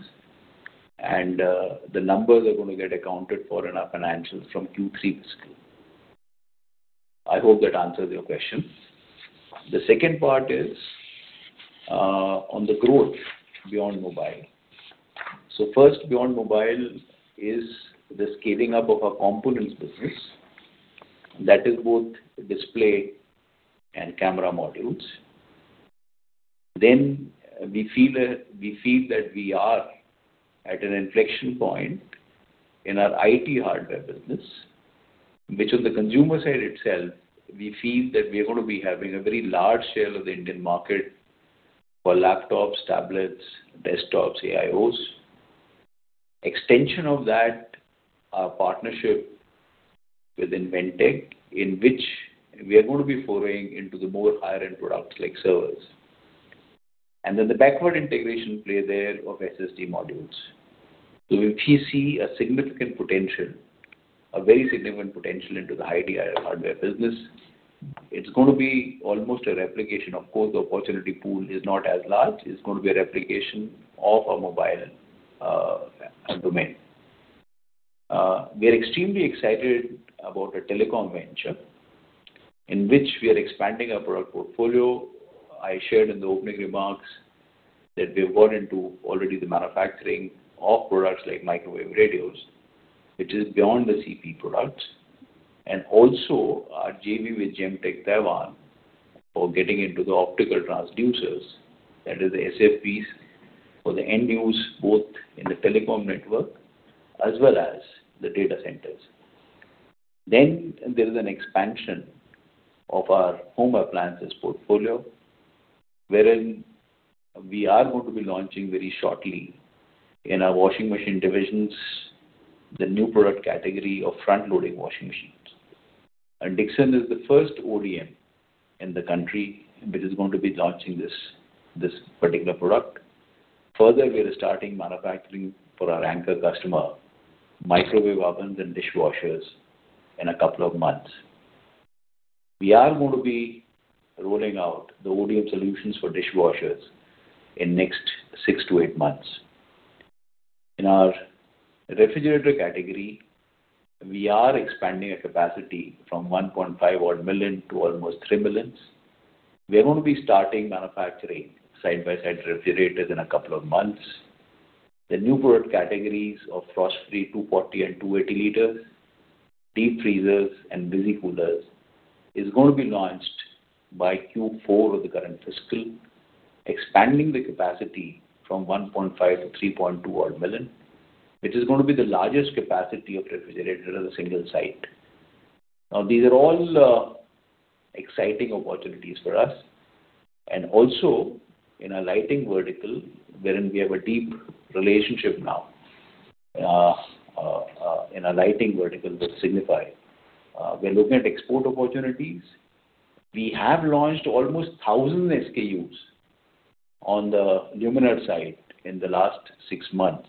The numbers are going to get accounted for in our financials from Q3 fiscal. I hope that answers your question. The second part is on the growth beyond mobile. First beyond mobile is the scaling up of our components business. That is boAt display and camera modules. We feel that we are at an inflection point in our IT hardware business, which on the consumer side itself, we feel that we are going to be having a very large share of the Indian market for laptops, tablets, desktops, AIOs. Extension of that partnership within Inventec, in which we are going to be foraying into the more higher-end products like servers. The backward integration play there of SSD modules. We see a significant potential, a very significant potential into the high IT hardware business. It's going to be almost a replication. Of course, the opportunity pool is not as large. It's going to be a replication of our mobile domain. We are extremely excited about our telecom venture, in which we are expanding our product portfolio. I shared in the opening remarks that we have got into already the manufacturing of products like microwave radios, which is beyond the CPE products. Also our JV with Gemtek Taiwan for getting into the optical transducers. That is the SFPs for the end use, both in the telecom network as well as the data centers. There is an expansion of our home appliances portfolio, wherein we are going to be launching very shortly in our washing machine divisions, the new product category of front-loading washing machines. Dixon is the first ODM in the country which is going to be launching this particular product. Further, we are starting manufacturing for our anchor customer, microwave ovens and dishwashers in a couple of months. We are going to be rolling out the ODM solutions for dishwashers in next six to eight months. In our refrigerator category, we are expanding our capacity from 1.5 odd million to almost 3 million. We are going to be starting manufacturing side-by-side refrigerators in a couple of months. The new product categories of frost-free 240 L and 280 L, deep freezers, and busy coolers is going to be launched by Q4 of the current fiscal, expanding the capacity from 1.5-3.2 odd million, which is going to be the largest capacity of refrigerator at a single site. These are all exciting opportunities for us, and also in our lighting vertical, wherein we have a deep relationship now. In our lighting vertical with Signify. We're looking at export opportunities. We have launched almost 1,000 SKUs on the luminaire side in the last six months.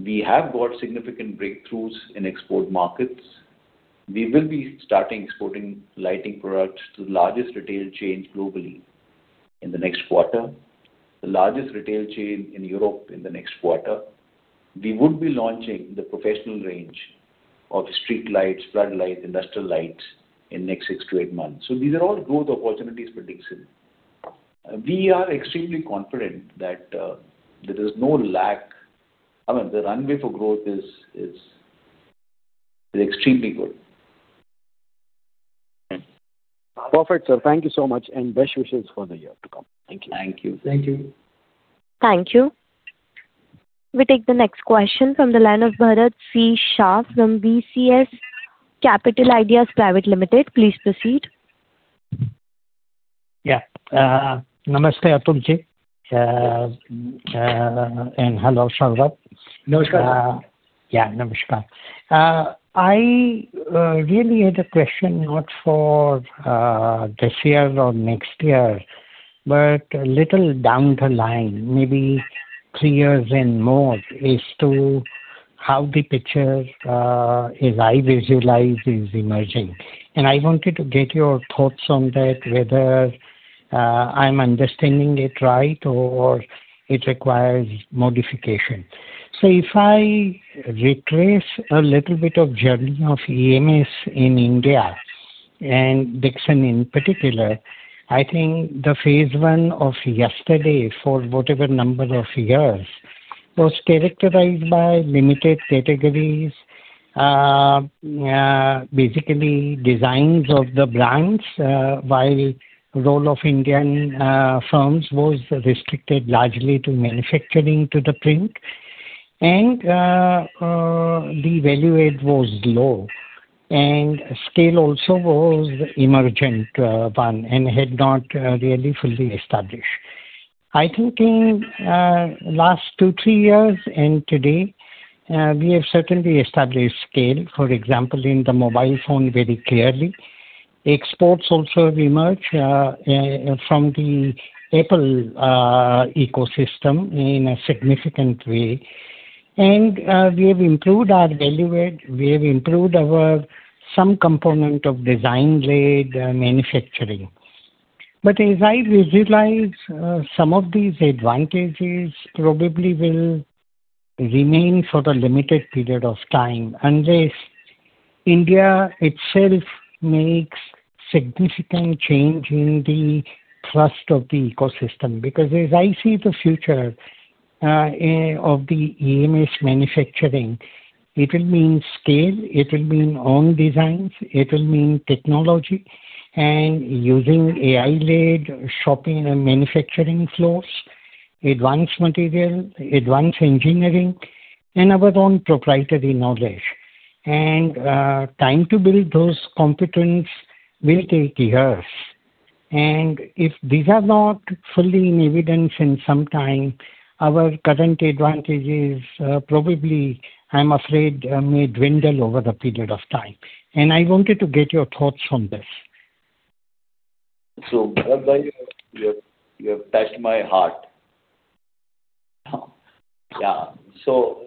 We have got significant breakthroughs in export markets. We will be starting exporting lighting products to the largest retail chains globally in the next quarter, the largest retail chain in Europe in the next quarter. We would be launching the professional range of street lights, flood lights, industrial lights in next six to eight months. These are all growth opportunities for Dixon. We are extremely confident that there is no lack. I mean, the runway for growth is extremely good. Perfect, sir. Thank you so much, and best wishes for the year to come. Thank you. Thank you. Thank you. Thank you. We take the next question from the line of Bharat C. Shah from BCS Capital Ideas Limited. Please proceed. Yeah. Namaste, Atul ji. Hello, Saurabh. Namaskar. Namaskar. I really had a question not for this year or next year, but a little down the line, maybe three years and more, is to How the picture as I visualize is emerging. I wanted to get your thoughts on that, whether I am understanding it right or it requires modification. If I retrace a little bit of journey of EMS in India, and Dixon in particular, I think the phase one of yesterday, for whatever number of years, was characterized by limited categories, basically designs of the brands, while role of Indian firms was restricted largely to manufacturing to the print. The value add was low, and scale also was emergent one and had not really fully established. I think in last two, three years and today, we have certainly established scale, for example, in the mobile phone very clearly. Exports also emerge from the Apple ecosystem in a significant way. We have improved our value add, we have improved our some component of design led manufacturing. As I visualize, some of these advantages probably will remain for the limited period of time unless India itself makes significant change in the thrust of the ecosystem. As I see the future of the EMS manufacturing, it will mean scale, it will mean own designs, it will mean technology and using AI-led shopping and manufacturing floors, advanced material, advanced engineering, and our own proprietary knowledge. Time to build those competence will take years, and if these are not fully in evidence in some time, our current advantages, probably, I am afraid, may dwindle over the period of time. I wanted to get your thoughts on this. Bharat bhai, you have touched my heart. Oh.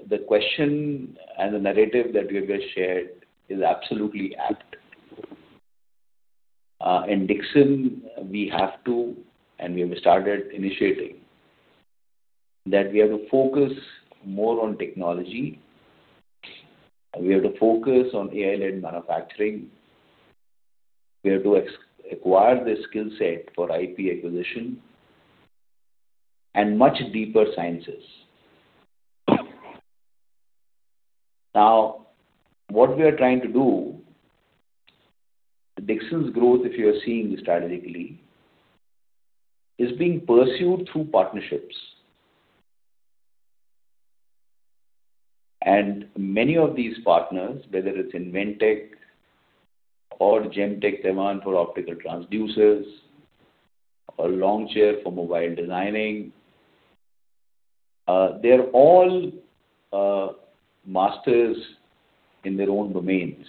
The question and the narrative that you just shared is absolutely apt. In Dixon, we have to, and we have started initiating, that we have to focus more on technology, and we have to focus on AI-led manufacturing. We have to acquire the skill set for IP acquisition and much deeper sciences. What we are trying to do, Dixon's growth, if you are seeing strategically, is being pursued through partnerships. Many of these partners, whether it's Inventec or Gemtek Taiwan for optical transceivers or Longcheer for mobile designing, they are all masters in their own domains.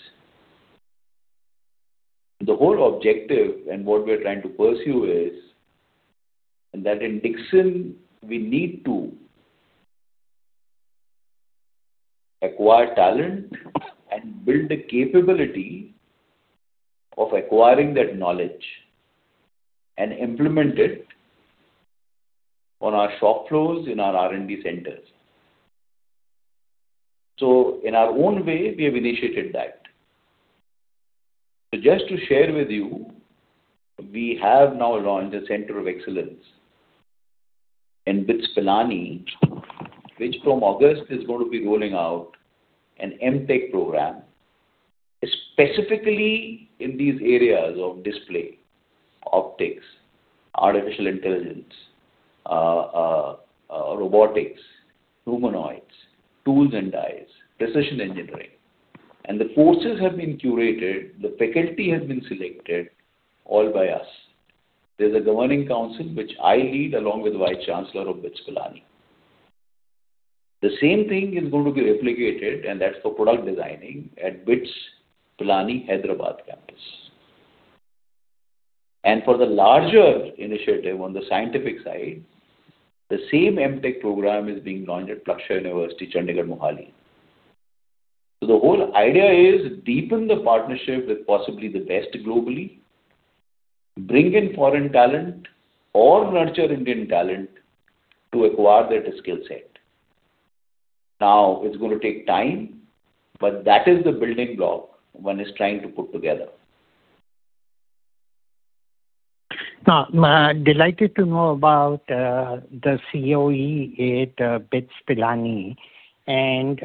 The whole objective and what we are trying to pursue is that in Dixon, we need to acquire talent and build the capability of acquiring that knowledge and implement it on our shop floors in our R&D centers. In our own way, we have initiated that. Just to share with you, we have now launched a Center of Excellence in BITS Pilani, which from August is going to be rolling out an MTech program specifically in these areas of display, optics, artificial intelligence, robotics, humanoids, tools and dies, precision engineering. And the courses have been curated, the faculty has been selected all by us. There's a governing council which I lead along with Vice Chancellor of BITS Pilani. The same thing is going to be replicated, and that's for product designing at BITS Pilani Hyderabad campus. And for the larger initiative on the scientific side, the same MTech program is being launched at Plaksha University, Chandigarh, Mohali. The whole idea is deepen the partnership with possibly the best globally, bring in foreign talent or nurture Indian talent to acquire that skill set. It's going to take time, but that is the building block one is trying to put together. I'm delighted to know about the COE at BITS Pilani and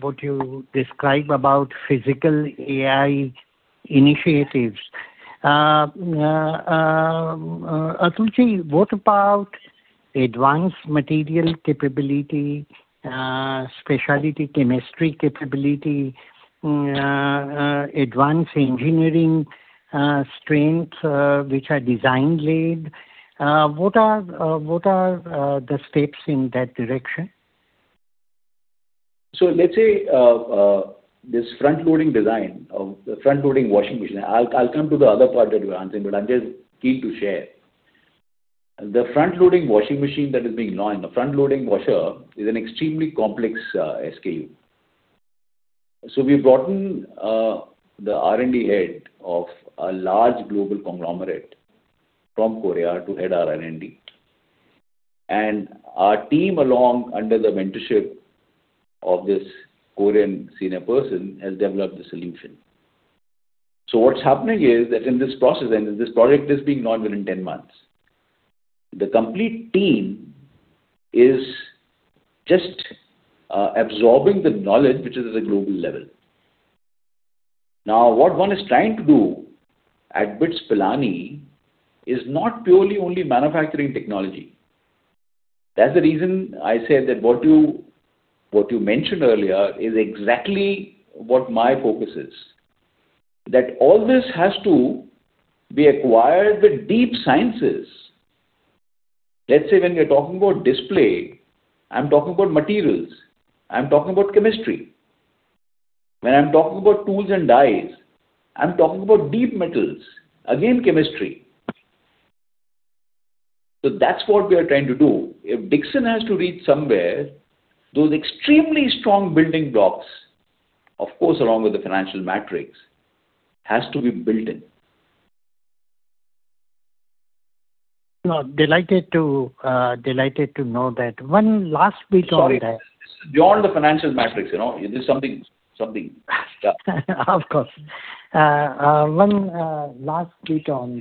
what you describe about physical AI initiatives. Atulji, what about advanced material capability, specialty chemistry capability, advanced engineering strengths, which are design led? What are the steps in that direction? Let's say, this front-loading design of the front-loading washing machine. I'll come to the other part that you are asking, but I'm just keen to share. The front-loading washing machine that is being launched, the front-loading washer is an extremely complex SKU. We've brought in the R&D Head of a large global conglomerate from Korea to head our R&D. And our team along under the mentorship of this Korean senior person has developed the solution. What's happening is that in this process, and this product is being launched within 10 months, the complete team is just absorbing the knowledge, which is at a global level. What one is trying to do at BITS Pilani is not purely only manufacturing technology. That's the reason I said that what you mentioned earlier is exactly what my focus is. That all this has to be acquired with deep sciences. Let's say, when we are talking about display, I'm talking about materials, I'm talking about chemistry. When I'm talking about tools and dyes, I'm talking about deep metals, again, chemistry. That's what we are trying to do. If Dixon has to reach somewhere, those extremely strong building blocks, of course, along with the financial matrix, has to be built in. Delighted to know that. One last bit on that- Sorry. Beyond the financial matrix, this is something stuff. Of course. One last bit on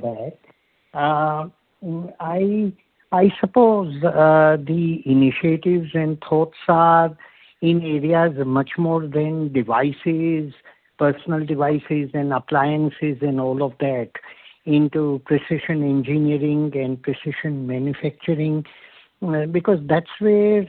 that. I suppose the initiatives and thoughts are in areas much more than devices, personal devices and appliances and all of that into precision engineering and precision manufacturing, because that's where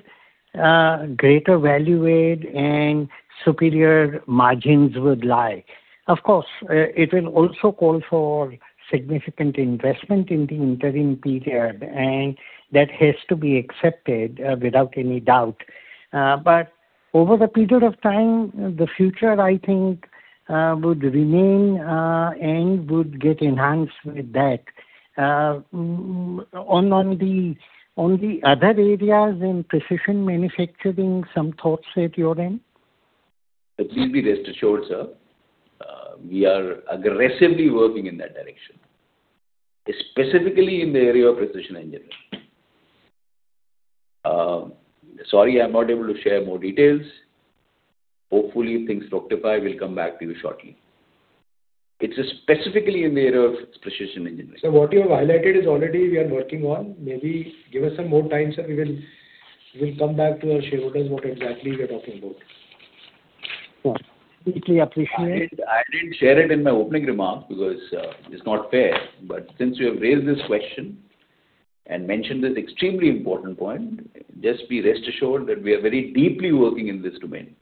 greater value add and superior margins would lie. Of course, it will also call for significant investment in the interim period, and that has to be accepted without any doubt. Over the period of time, the future, I think, would remain and would get enhanced with that. On the other areas in precision manufacturing, some thoughts at your end? Please be rest assured, sir. We are aggressively working in that direction, specifically in the area of precision engineering. Sorry, I'm not able to share more details. Hopefully, things rectify, we'll come back to you shortly. It is specifically in the area of precision engineering. Sir, what you have highlighted is already we are working on. Maybe give us some more time, sir. We will come back to our shareholders what exactly we are talking about. Sure. Deeply appreciate. I didn't share it in my opening remarks because it's not fair, but since you have raised this question and mentioned this extremely important point, just be rest assured that we are very deeply working in this domain.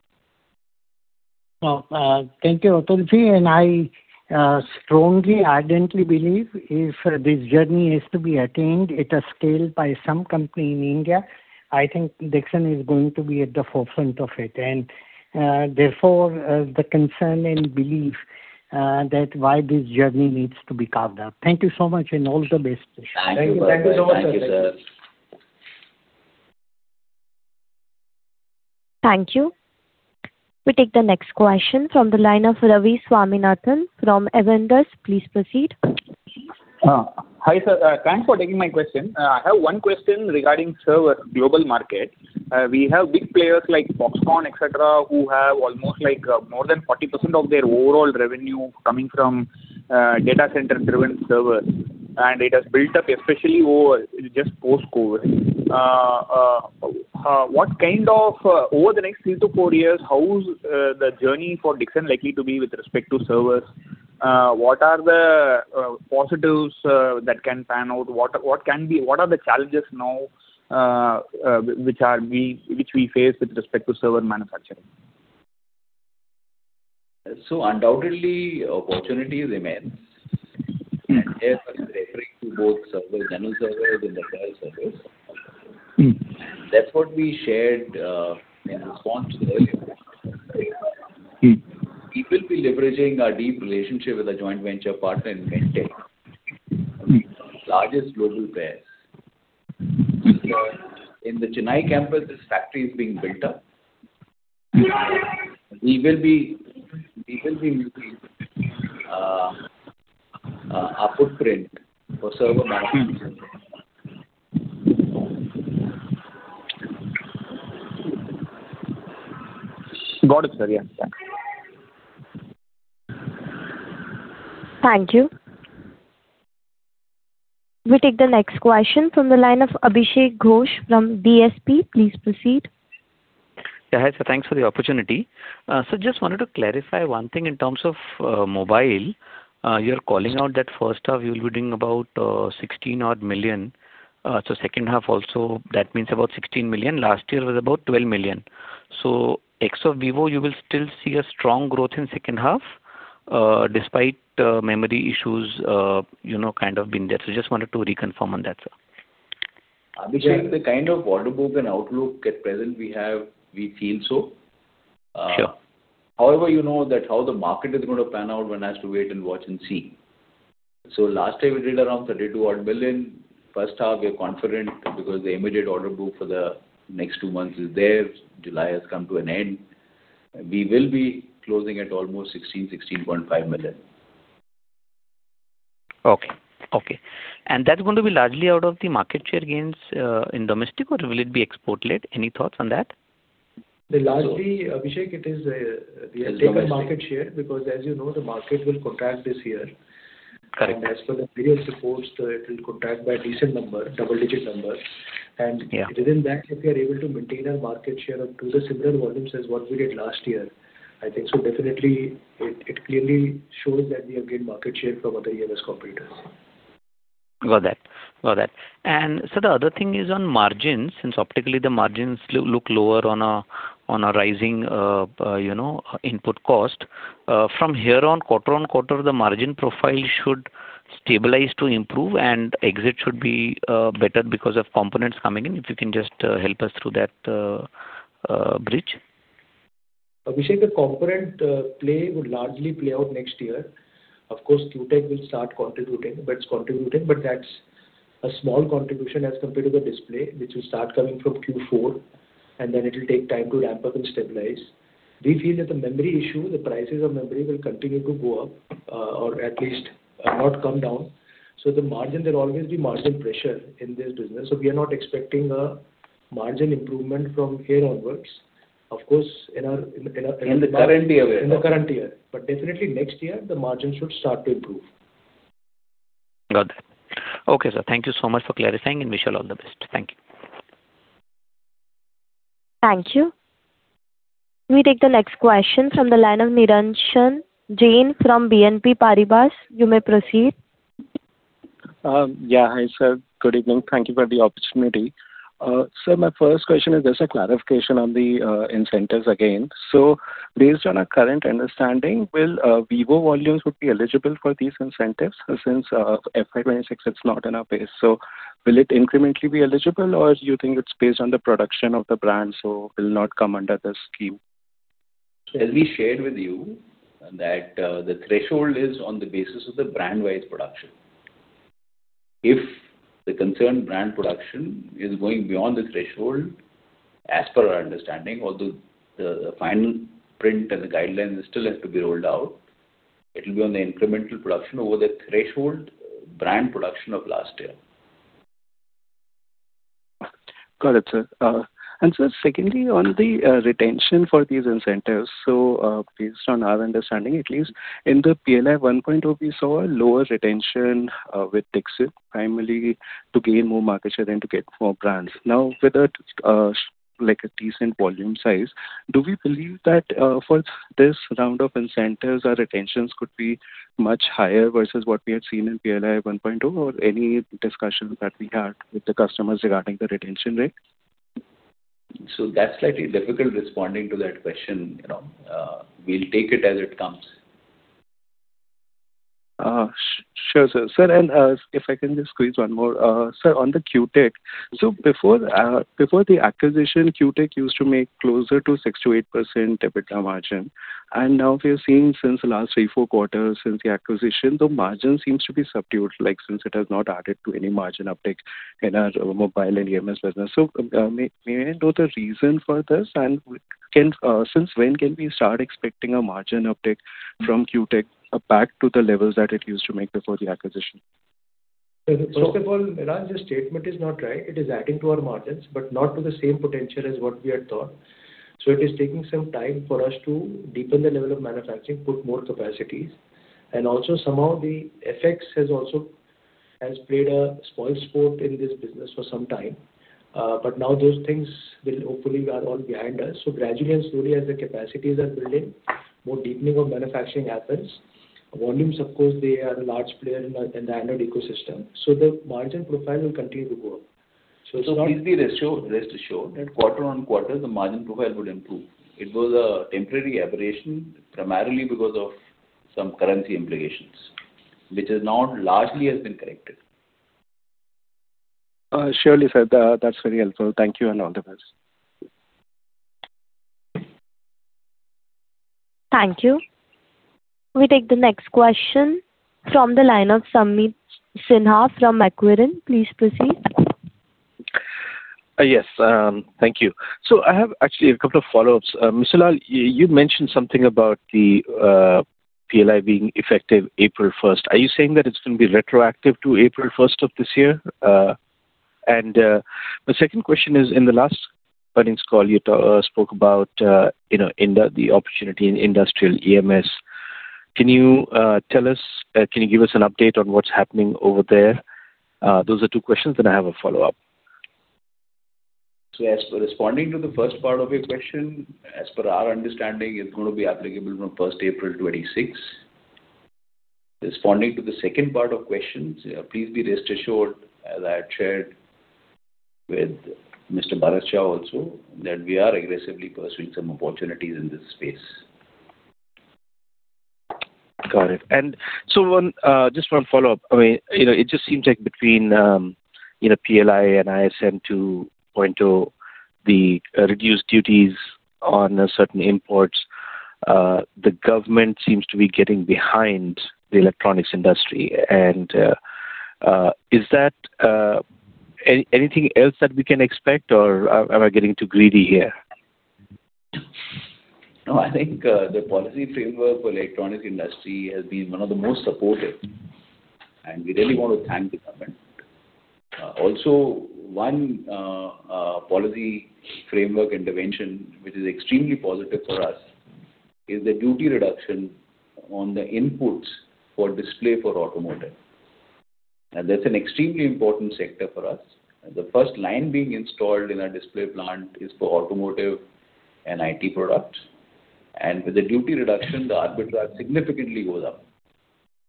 Thank you, Atulji. I strongly, ardently believe if this journey is to be attained at a scale by some company in India, I think Dixon is going to be at the forefront of it. Therefore, the concern and belief that why this journey needs to be carved out. Thank you so much. All the best wishes. Thank you. Thank you so much, sir. Thank you, sir. Thank you. We take the next question from the line of Ravi Swaminathan from Avendus. Please proceed. Hi, sir. Thanks for taking my question. I have one question regarding server global market. We have big players like Foxconn, et cetera, who have almost more than 40% of their overall revenue coming from data center-driven servers. It has built up especially over, just post-COVID. Over the next three to four years, how's the journey for Dixon likely to be with respect to servers? What are the positives that can pan out? What are the challenges now which we face with respect to server manufacturing? Undoubtedly, opportunities remain. Here I'm referring to boAt servers, general servers and the trial servers. That's what we shared in response to the earlier question. We will be leveraging our deep relationship with our joint venture partner in Inventec, one of the largest global players. In the Chennai campus, this factory is being built up. We will be using our footprint for server manufacturing. Got it, sir. Yeah. Thanks. Thank you. We take the next question from the line of Abhishek Ghosh from DSP. Please proceed. Yeah. Hi, sir. Thanks for the opportunity. Sir, just wanted to clarify one thing in terms of mobile. You're calling out that first half you will be doing about 16 million. So second half also, that means about 16 million. Last year was about 12 million. So ex of vivo, you will still see a strong growth in second half, despite memory issues kind of being there. So just wanted to reconfirm on that, sir. Abhishek, the kind of order book and outlook at present we have, we feel so. Sure. However, you know that how the market is going to pan out, one has to wait and watch and see. Last time we did around 32 million. First half, we are confident because the immediate order book for the next two months is there. July has come to an end. We will be closing at almost 16 million, 16.5 million. Okay. And that's going to be largely out of the market share gains, in domestic or will it be export led? Any thoughts on that? Largely, Abhishek, it is. Domestic we have taken market share because as you know the market will contract this year. Correct. As per the various reports, it will contract by a decent number, double-digit number. Yeah. Within that, if we are able to maintain our market share up to the similar volumes as what we did last year, I think so definitely it clearly shows that we have gained market share from other EMS competitors. Got that. So the other thing is on margins, since optically the margins look lower on a rising input cost. From here on quarter-on-quarter, the margin profile should stabilize to improve and exit should be better because of components coming in. If you can just help us through that bridge. Abhishek, the component play would largely play out next year. Of course, Q Tech will start contributing. Well, it's contributing, but that's a small contribution as compared to the display, which will start coming from Q4, and then it will take time to ramp up and stabilize. We feel that the memory issue, the prices of memory will continue to go up, or at least not come down. There'll always be margin pressure in this business. We are not expecting a margin improvement from here onwards. Of course, in our- In the current year we are in. In the current year. Definitely next year, the margins should start to improve. Got that. Okay, sir. Thank you so much for clarifying and wish you all the best. Thank you. Thank you. We take the next question from the line of Nirransh Jain from BNP Paribas. You may proceed. Yeah. Hi, sir. Good evening. Thank you for the opportunity. Sir, my first question is just a clarification on the incentives again. Based on our current understanding, will vivo volumes would be eligible for these incentives since FY 2026 it's not in our base. Will it incrementally be eligible, or do you think it's based on the production of the brand, so will not come under the scheme? As we shared with you, that the threshold is on the basis of the brand-wise production. If the concerned brand production is going beyond the threshold, as per our understanding, although the final print and the guidelines still has to be rolled out, it will be on the incremental production over the threshold brand production of last year. Got it, sir. Sir, secondly, on the retention for these incentives, so based on our understanding at least, in the PLI 1.0 we saw a lower retention with Dixon, primarily to gain more market share than to get more brands. Now, with a decent volume size, do we believe that for this round of incentives our retentions could be much higher versus what we had seen in PLI 1.0, or any discussions that we had with the customers regarding the retention rate? That's slightly difficult responding to that question. We'll take it as it comes. Sure, sir. If I can just squeeze one more. On the Q Tech. Before the acquisition, Q Tech used to make closer to six to eight percent EBITDA margin, and now we are seeing since the last three, four quarters since the acquisition, the margin seems to be subdued, like since it has not added to any margin upticks in our mobile and EMS business. May I know the reason for this, and since when can we start expecting a margin uptick from Q Tech back to the levels that it used to make before the acquisition? First of all, Nirransh, your statement is not right. It is adding to our margins, but not to the same potential as what we had thought. It is taking some time for us to deepen the level of manufacturing, put more capacities, and also somehow the FX has also played a spoilsport in this business for some time. Now those things hopefully are all behind us. Gradually and slowly as the capacities are building, more deepening of manufacturing happens. Volumes, of course, they are a large player in the Android ecosystem. The margin profile will continue to go up. Please be rest assured that quarter-on-quarter the margin profile would improve. It was a temporary aberration, primarily because of some currency implications, which now largely has been corrected. Surely, sir. That's very helpful. Thank you, and all the best. Thank you. We take the next question from the line of Sameet Sinha from Macquarie. Please proceed. Yes. Thank you. I have actually a couple of follow-ups. Mr. Lall, you mentioned something about the PLI being effective April 1st. Are you saying that it's going to be retroactive to April 1st of this year? My second question is, in the last earnings call you spoke about the opportunity in industrial EMS. Can you give us an update on what's happening over there? Those are two questions, then I have a follow-up. As for responding to the first part of your question, as per our understanding, it's going to be applicable from 1st April 2026. Responding to the second part of questions, please be rest assured, as I had shared with Mr. Bharat Shah also, that we are aggressively pursuing some opportunities in this space. Got it. Just one follow-up. It just seems like between PLI and ISM 2.0, the reduced duties on certain imports, the government seems to be getting behind the electronics industry. Is there anything else that we can expect, or am I getting too greedy here? No, I think the policy framework for electronics industry has been one of the most supportive, and we really want to thank the government. Also, one policy framework intervention which is extremely positive for us is the duty reduction on the inputs for display for automotive. That's an extremely important sector for us. The first line being installed in our display plant is for automotive and IT products. With the duty reduction, the arbitrage significantly goes up.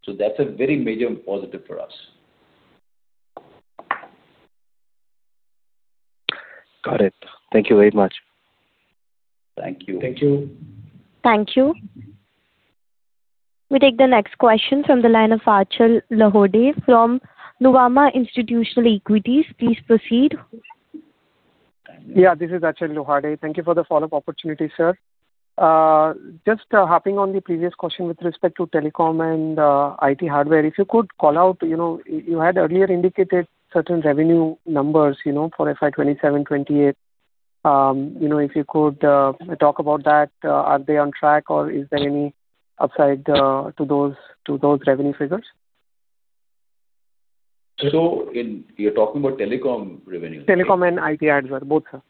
That's a very major positive for us. Got it. Thank you very much. Thank you. Thank you. Thank you. We take the next question from the line of Achal Lohade from Nuvama Institutional Equities. Please proceed. This is Achal Lohade. Thank you for the follow-up opportunity, sir. Just harping on the previous question with respect to telecom and IT hardware. If you could call out, you had earlier indicated certain revenue numbers for FY 2027, FY 2028. If you could talk about that. Are they on track or is there any upside to those revenue figures? You're talking about telecom revenue? Telecom and IT hardware boAt, sir.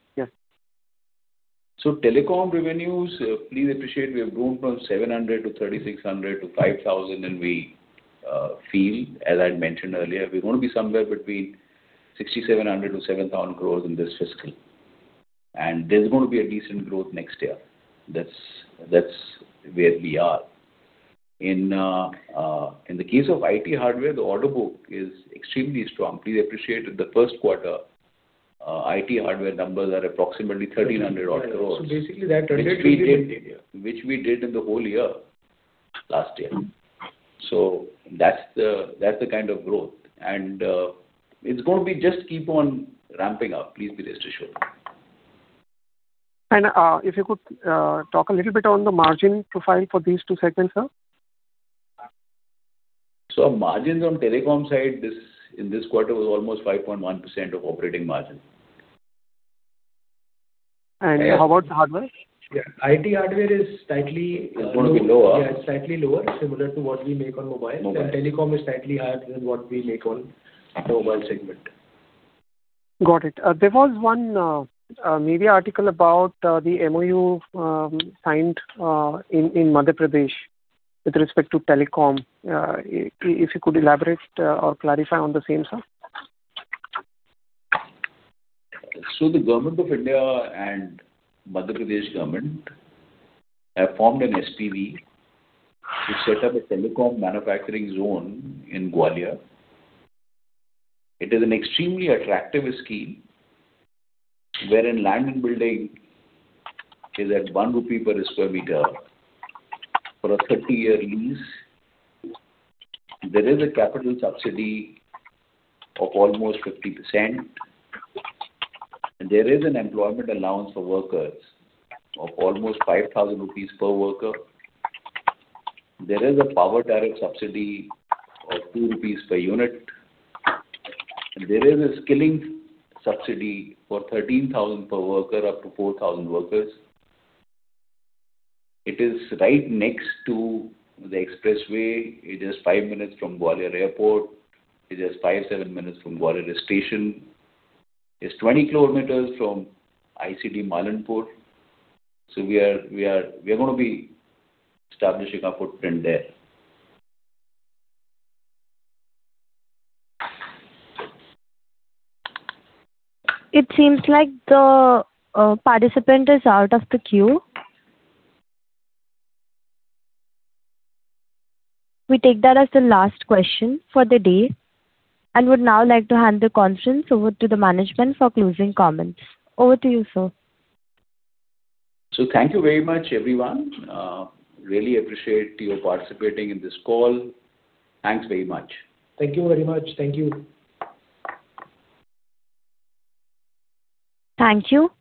Yes. Telecom revenues, please appreciate we have grown from 700 to 3,600 to 5,000, and we feel, as I mentioned earlier, we're going to be somewhere between 6,700 crore to 7,000 crore in this fiscal. There's going to be a decent growth next year. That's where we are. In the case of IT hardware, the order book is extremely strong. Please appreciate that the first quarter IT hardware numbers are approximately 1,300 odd crore. Basically that. Which we did in the whole year last year. That's the kind of growth, and it's going to be just keep on ramping up. Please be rest assured. If you could talk a little bit on the margin profile for these two segments, sir. Our margins on telecom side in this quarter was almost 5.1% of operating margin. How about the hardware? IT hardware is slightly- It's going to be lower. Yeah, slightly lower, similar to what we make on mobile. Okay. Telecom is slightly higher than what we make on mobile segment. Got it. There was one media article about the MoU signed in Madhya Pradesh with respect to telecom. If you could elaborate or clarify on the same, sir. The Government of India and Madhya Pradesh Government have formed an SPV to set up a telecom manufacturing zone in Gwalior. It is an extremely attractive scheme wherein land and building is at 1 rupee per sq m for a 30-year lease. There is a capital subsidy of almost 50%, and there is an employment allowance for workers of almost 5,000 rupees per worker. There is a power tariff subsidy of 2 rupees per unit, and there is a skilling subsidy for 13,000 per worker up to 4,000 workers. It is right next to the expressway. It is five minutes from Gwalior Airport. It is five to seven minutes from Gwalior Station. It is 20 km from ICD Malanpur. We are going to be establishing our footprint there. It seems like the participant is out of the queue. We take that as the last question for the day and would now like to hand the conference over to the management for closing comments. Over to you, sir. Thank you very much, everyone. Really appreciate you participating in this call. Thanks very much. Thank you very much. Thank you. Thank you.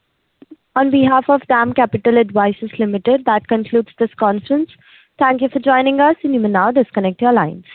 On behalf of DAM Capital Advisors Limited, that concludes this conference. Thank you for joining us and you may now disconnect your lines.